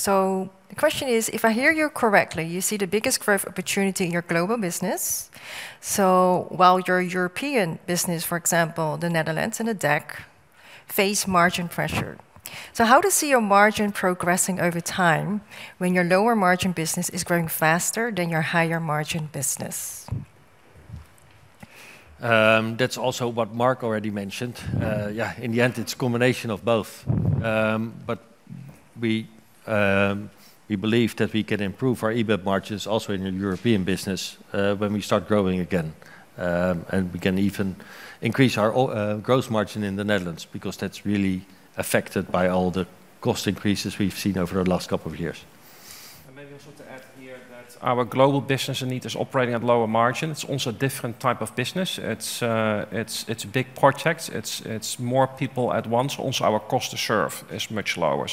The question is, "If I hear you correctly, you see the biggest growth opportunity in your global business. While your European business, for example, the Netherlands and the DACH, face margin pressure. How to see your margin progressing over time when your lower margin business is growing faster than your higher margin business? That's also what Marc already mentioned. Yeah, in the end, it's a combination of both. We, we believe that we can improve our EBIT margins also in the European business, when we start growing again. We can even increase our gross margin in the Netherlands because that's really affected by all the cost increases we've seen over the last couple of years. Maybe also to add here that our global business indeed is operating at lower margin. It's also a different type of business. It's, it's big projects. It's, it's more people at once. Also, our cost to serve is much lower.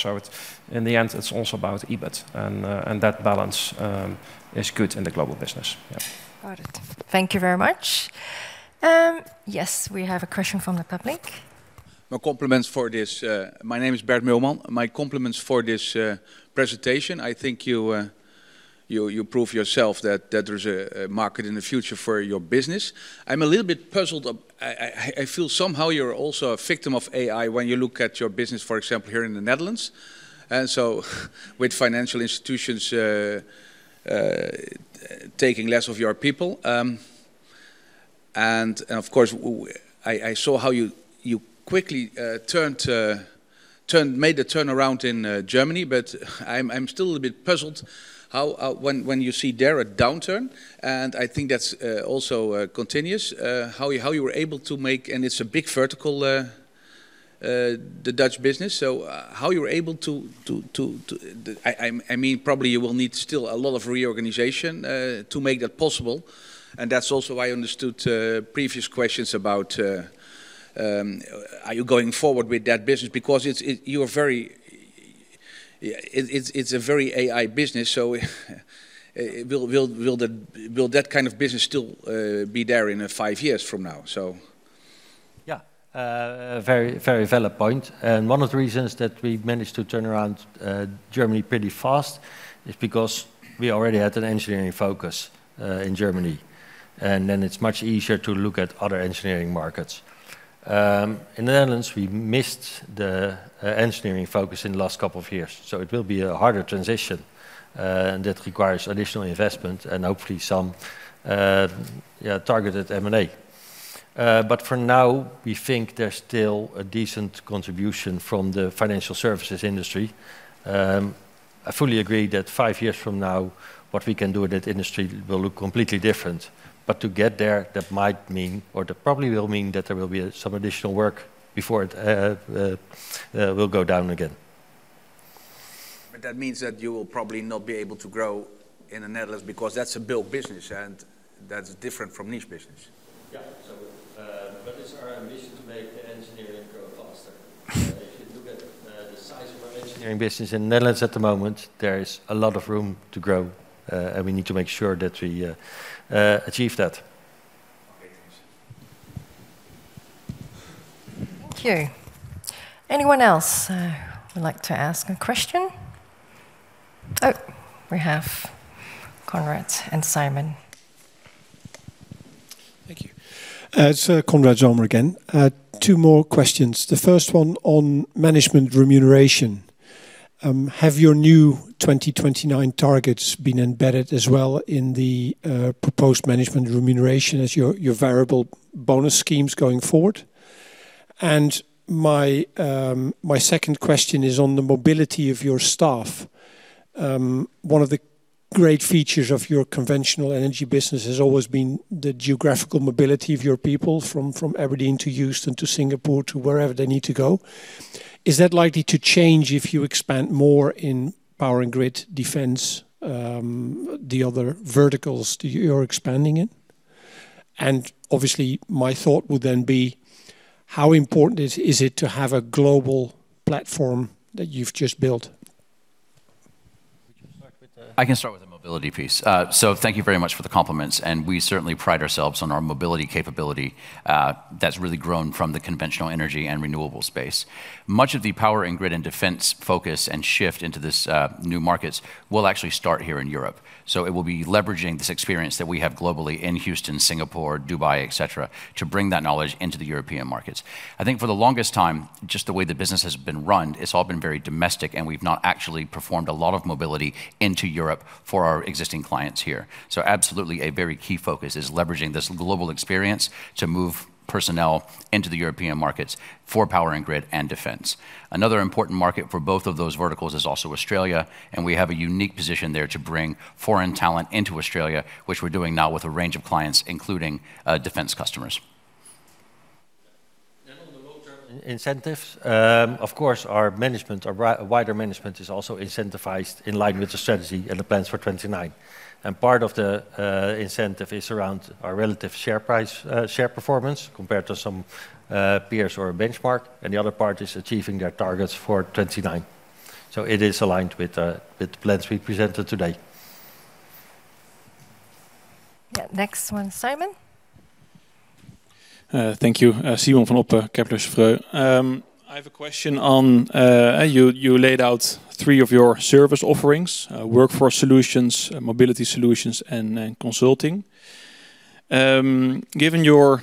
In the end, it's also about EBIT, and that balance is good in the global business. Yeah. Got it. Thank you very much. Yes, we have a question from the public. Well, compliments for this. My name is Bert Milman. My compliments for this presentation. I think you prove yourself that there's a market in the future for your business. I'm a little bit puzzled. I feel somehow you're also a victim of AI when you look at your business, for example, here in the Netherlands. With financial institutions taking less of your people. Of course, I saw how you quickly made a turnaround in Germany, but I'm still a little bit puzzled how when you see there a downturn, and I think that's also continuous, how you were able to make. It's a big vertical. The Dutch business. How you're able to I mean, probably you will need still a lot of reorganization to make that possible. That's also why I understood previous questions about are you going forward with that business? Because it's a very AI business, it will that kind of business still be there in five years from now? Yeah. Very, very valid point. One of the reasons that we've managed to turn around Germany pretty fast is because we already had an engineering focus in Germany. Then it's much easier to look at other engineering markets. In the Netherlands, we missed the engineering focus in the last couple of years, so it will be a harder transition, and it requires additional investment and hopefully some, targeted M&A. For now, we think there's still a decent contribution from the financial services industry. I fully agree that five years from now, what we can do with that industry will look completely different. To get there, that might mean, or that probably will mean that there will be some additional work before it will go down again. That means that you will probably not be able to grow in the Netherlands because that's a build business, and that's different from niche business. Yeah. It's our ambition to make the engineering grow faster. If you look at the size of our engineering business in Netherlands at the moment, there is a lot of room to grow, and we need to make sure that we achieve that. Okay, thanks. Thank you. Anyone else would like to ask a question? Oh, we have Konrad and Simon. Thank you. It's Konrad Zomer again. Two more questions. The first one on management remuneration. Have your new 2029 targets been embedded as well in the proposed management remuneration as your variable bonus schemes going forward? My second question is on the mobility of your staff. One of the great features of your conventional energy business has always been the geographical mobility of your people from Aberdeen to Houston to Singapore to wherever they need to go. Is that likely to change if you expand more in Power & Grid, defense, the other verticals that you're expanding in? Obviously, my thought would then be, how important is it to have a global platform that you've just built? Would you start with the- I can start with the mobility piece. Thank you very much for the compliments, and we certainly pride ourselves on our mobility capability, that's really grown from the conventional energy and renewable space. Much of the Power & Grid and defense focus and shift into this, new markets will actually start here in Europe. It will be leveraging this experience that we have globally in Houston, Singapore, Dubai, et cetera, to bring that knowledge into the European markets. I think for the longest time, just the way the business has been run, it's all been very domestic, and we've not actually performed a lot of mobility into Europe for our existing clients here. Absolutely, a very key focus is leveraging this global experience to move personnel into the European markets for Power & Grid and defense. Another important market for both of those verticals is also Australia, and we have a unique position there to bring foreign talent into Australia, which we're doing now with a range of clients, including defense customers. On the long-term incentives, of course, our wider management is also incentivized in line with the strategy and the plans for 2029. Part of the incentive is around our relative share price share performance compared to some peers or a benchmark, and the other part is achieving their targets for 2029. It is aligned with the plans we presented today. Yeah. Next one, Simon. Thank you. Simon van Oppen, Kepler Cheuvreux. I have a question on, you laid out three of your service offerings: workforce solutions, mobility solutions, and then consulting. Given your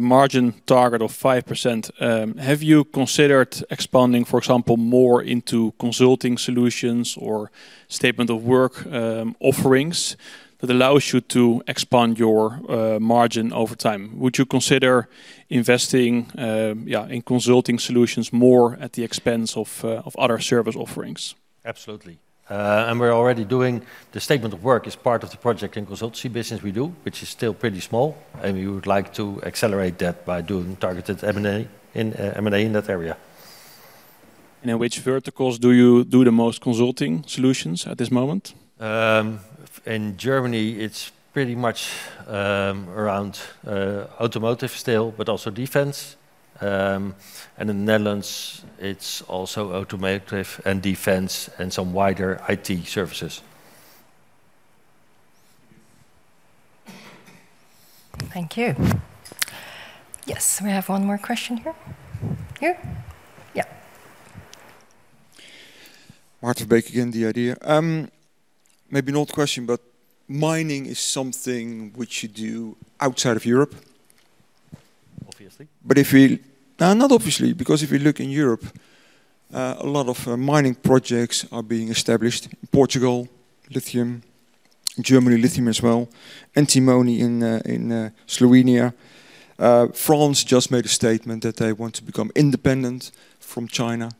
margin target of 5%, have you considered expanding, for example, more into consulting solutions or statement of work offerings that allows you to expand your margin over time? Would you consider investing in consulting solutions more at the expense of other service offerings? Absolutely. We're already doing the statement of work is part of the project and consultancy business we do, which is still pretty small, and we would like to accelerate that by doing targeted M&A in that area. In which verticals do you do the most consulting solutions at this moment? In Germany, it's pretty much around automotive still, but also defense. In Netherlands, it's also automotive and defense and some wider IT services. Thank you. Yes, we have one more question here. Here? Yeah. Maarten Verbeek again, the IDEA! Maybe an old question, mining is something which you do outside of Europe. Obviously. No, not obviously, because if you look in Europe, a lot of mining projects are being established. Portugal, lithium. Germany, lithium as well. Antimony in Slovenia. France just made a statement that they want to become independent from China.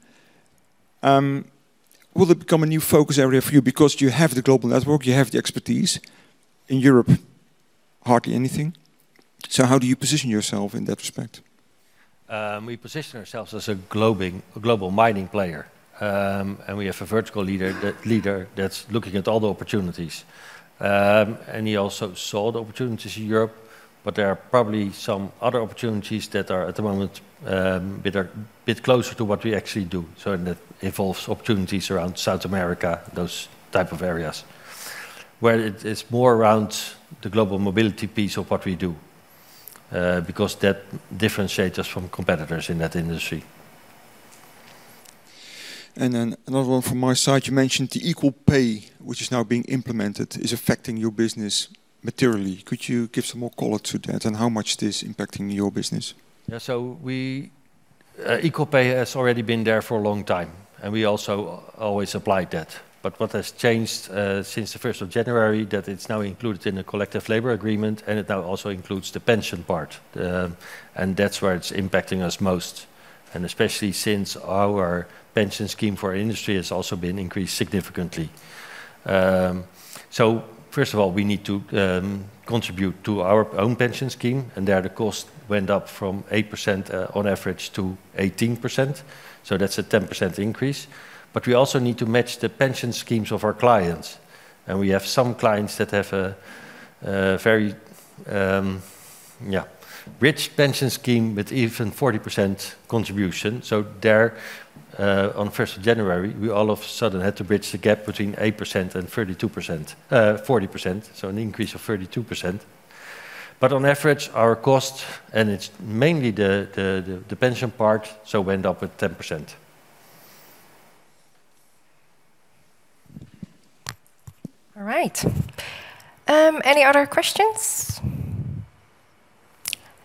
Will it become a new focus area for you? Because you have the global network, you have the expertise. In Europe, hardly anything. How do you position yourself in that respect? We position ourselves as a global mining player. We have a vertical leader that's looking at all the opportunities. He also saw the opportunities in Europe, but there are probably some other opportunities that are, at the moment, bit closer to what we actually do. It involves opportunities around South America, those type of areas, where it's more around the global mobility piece of what we do, because that differentiates us from competitors in that industry. Another one from my side. You mentioned the equal pay, which is now being implemented, is affecting your business materially. Could you give some more color to that and how much it is impacting your business? Equal pay has already been there for a long time, and we also always applied that. What has changed since the 1st of January, that it's now included in the collective labor agreement, and it now also includes the pension part. That's where it's impacting us most, and especially since our pension scheme for our industry has also been increased significantly. First of all, we need to contribute to our own pension scheme, and there the cost went up from 8% on average to 18%, so that's a 10% increase. We also need to match the pension schemes of our clients, and we have some clients that have a very rich pension scheme with even 40% contribution. There, on first of January, we all of sudden had to bridge the gap between 8% and 32%, 40%, an increase of 32%. On average, our cost, and it's mainly the pension part, went up with 10%. All right. Any other questions?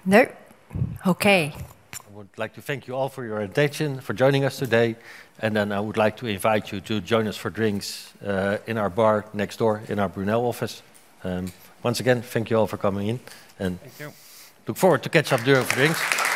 No? Okay. I would like to thank you all for your attention, for joining us today. I would like to invite you to join us for drinks in our bar next door in our Brunel office. Once again, thank you all for coming in. Thank you. look forward to catch up during drinks.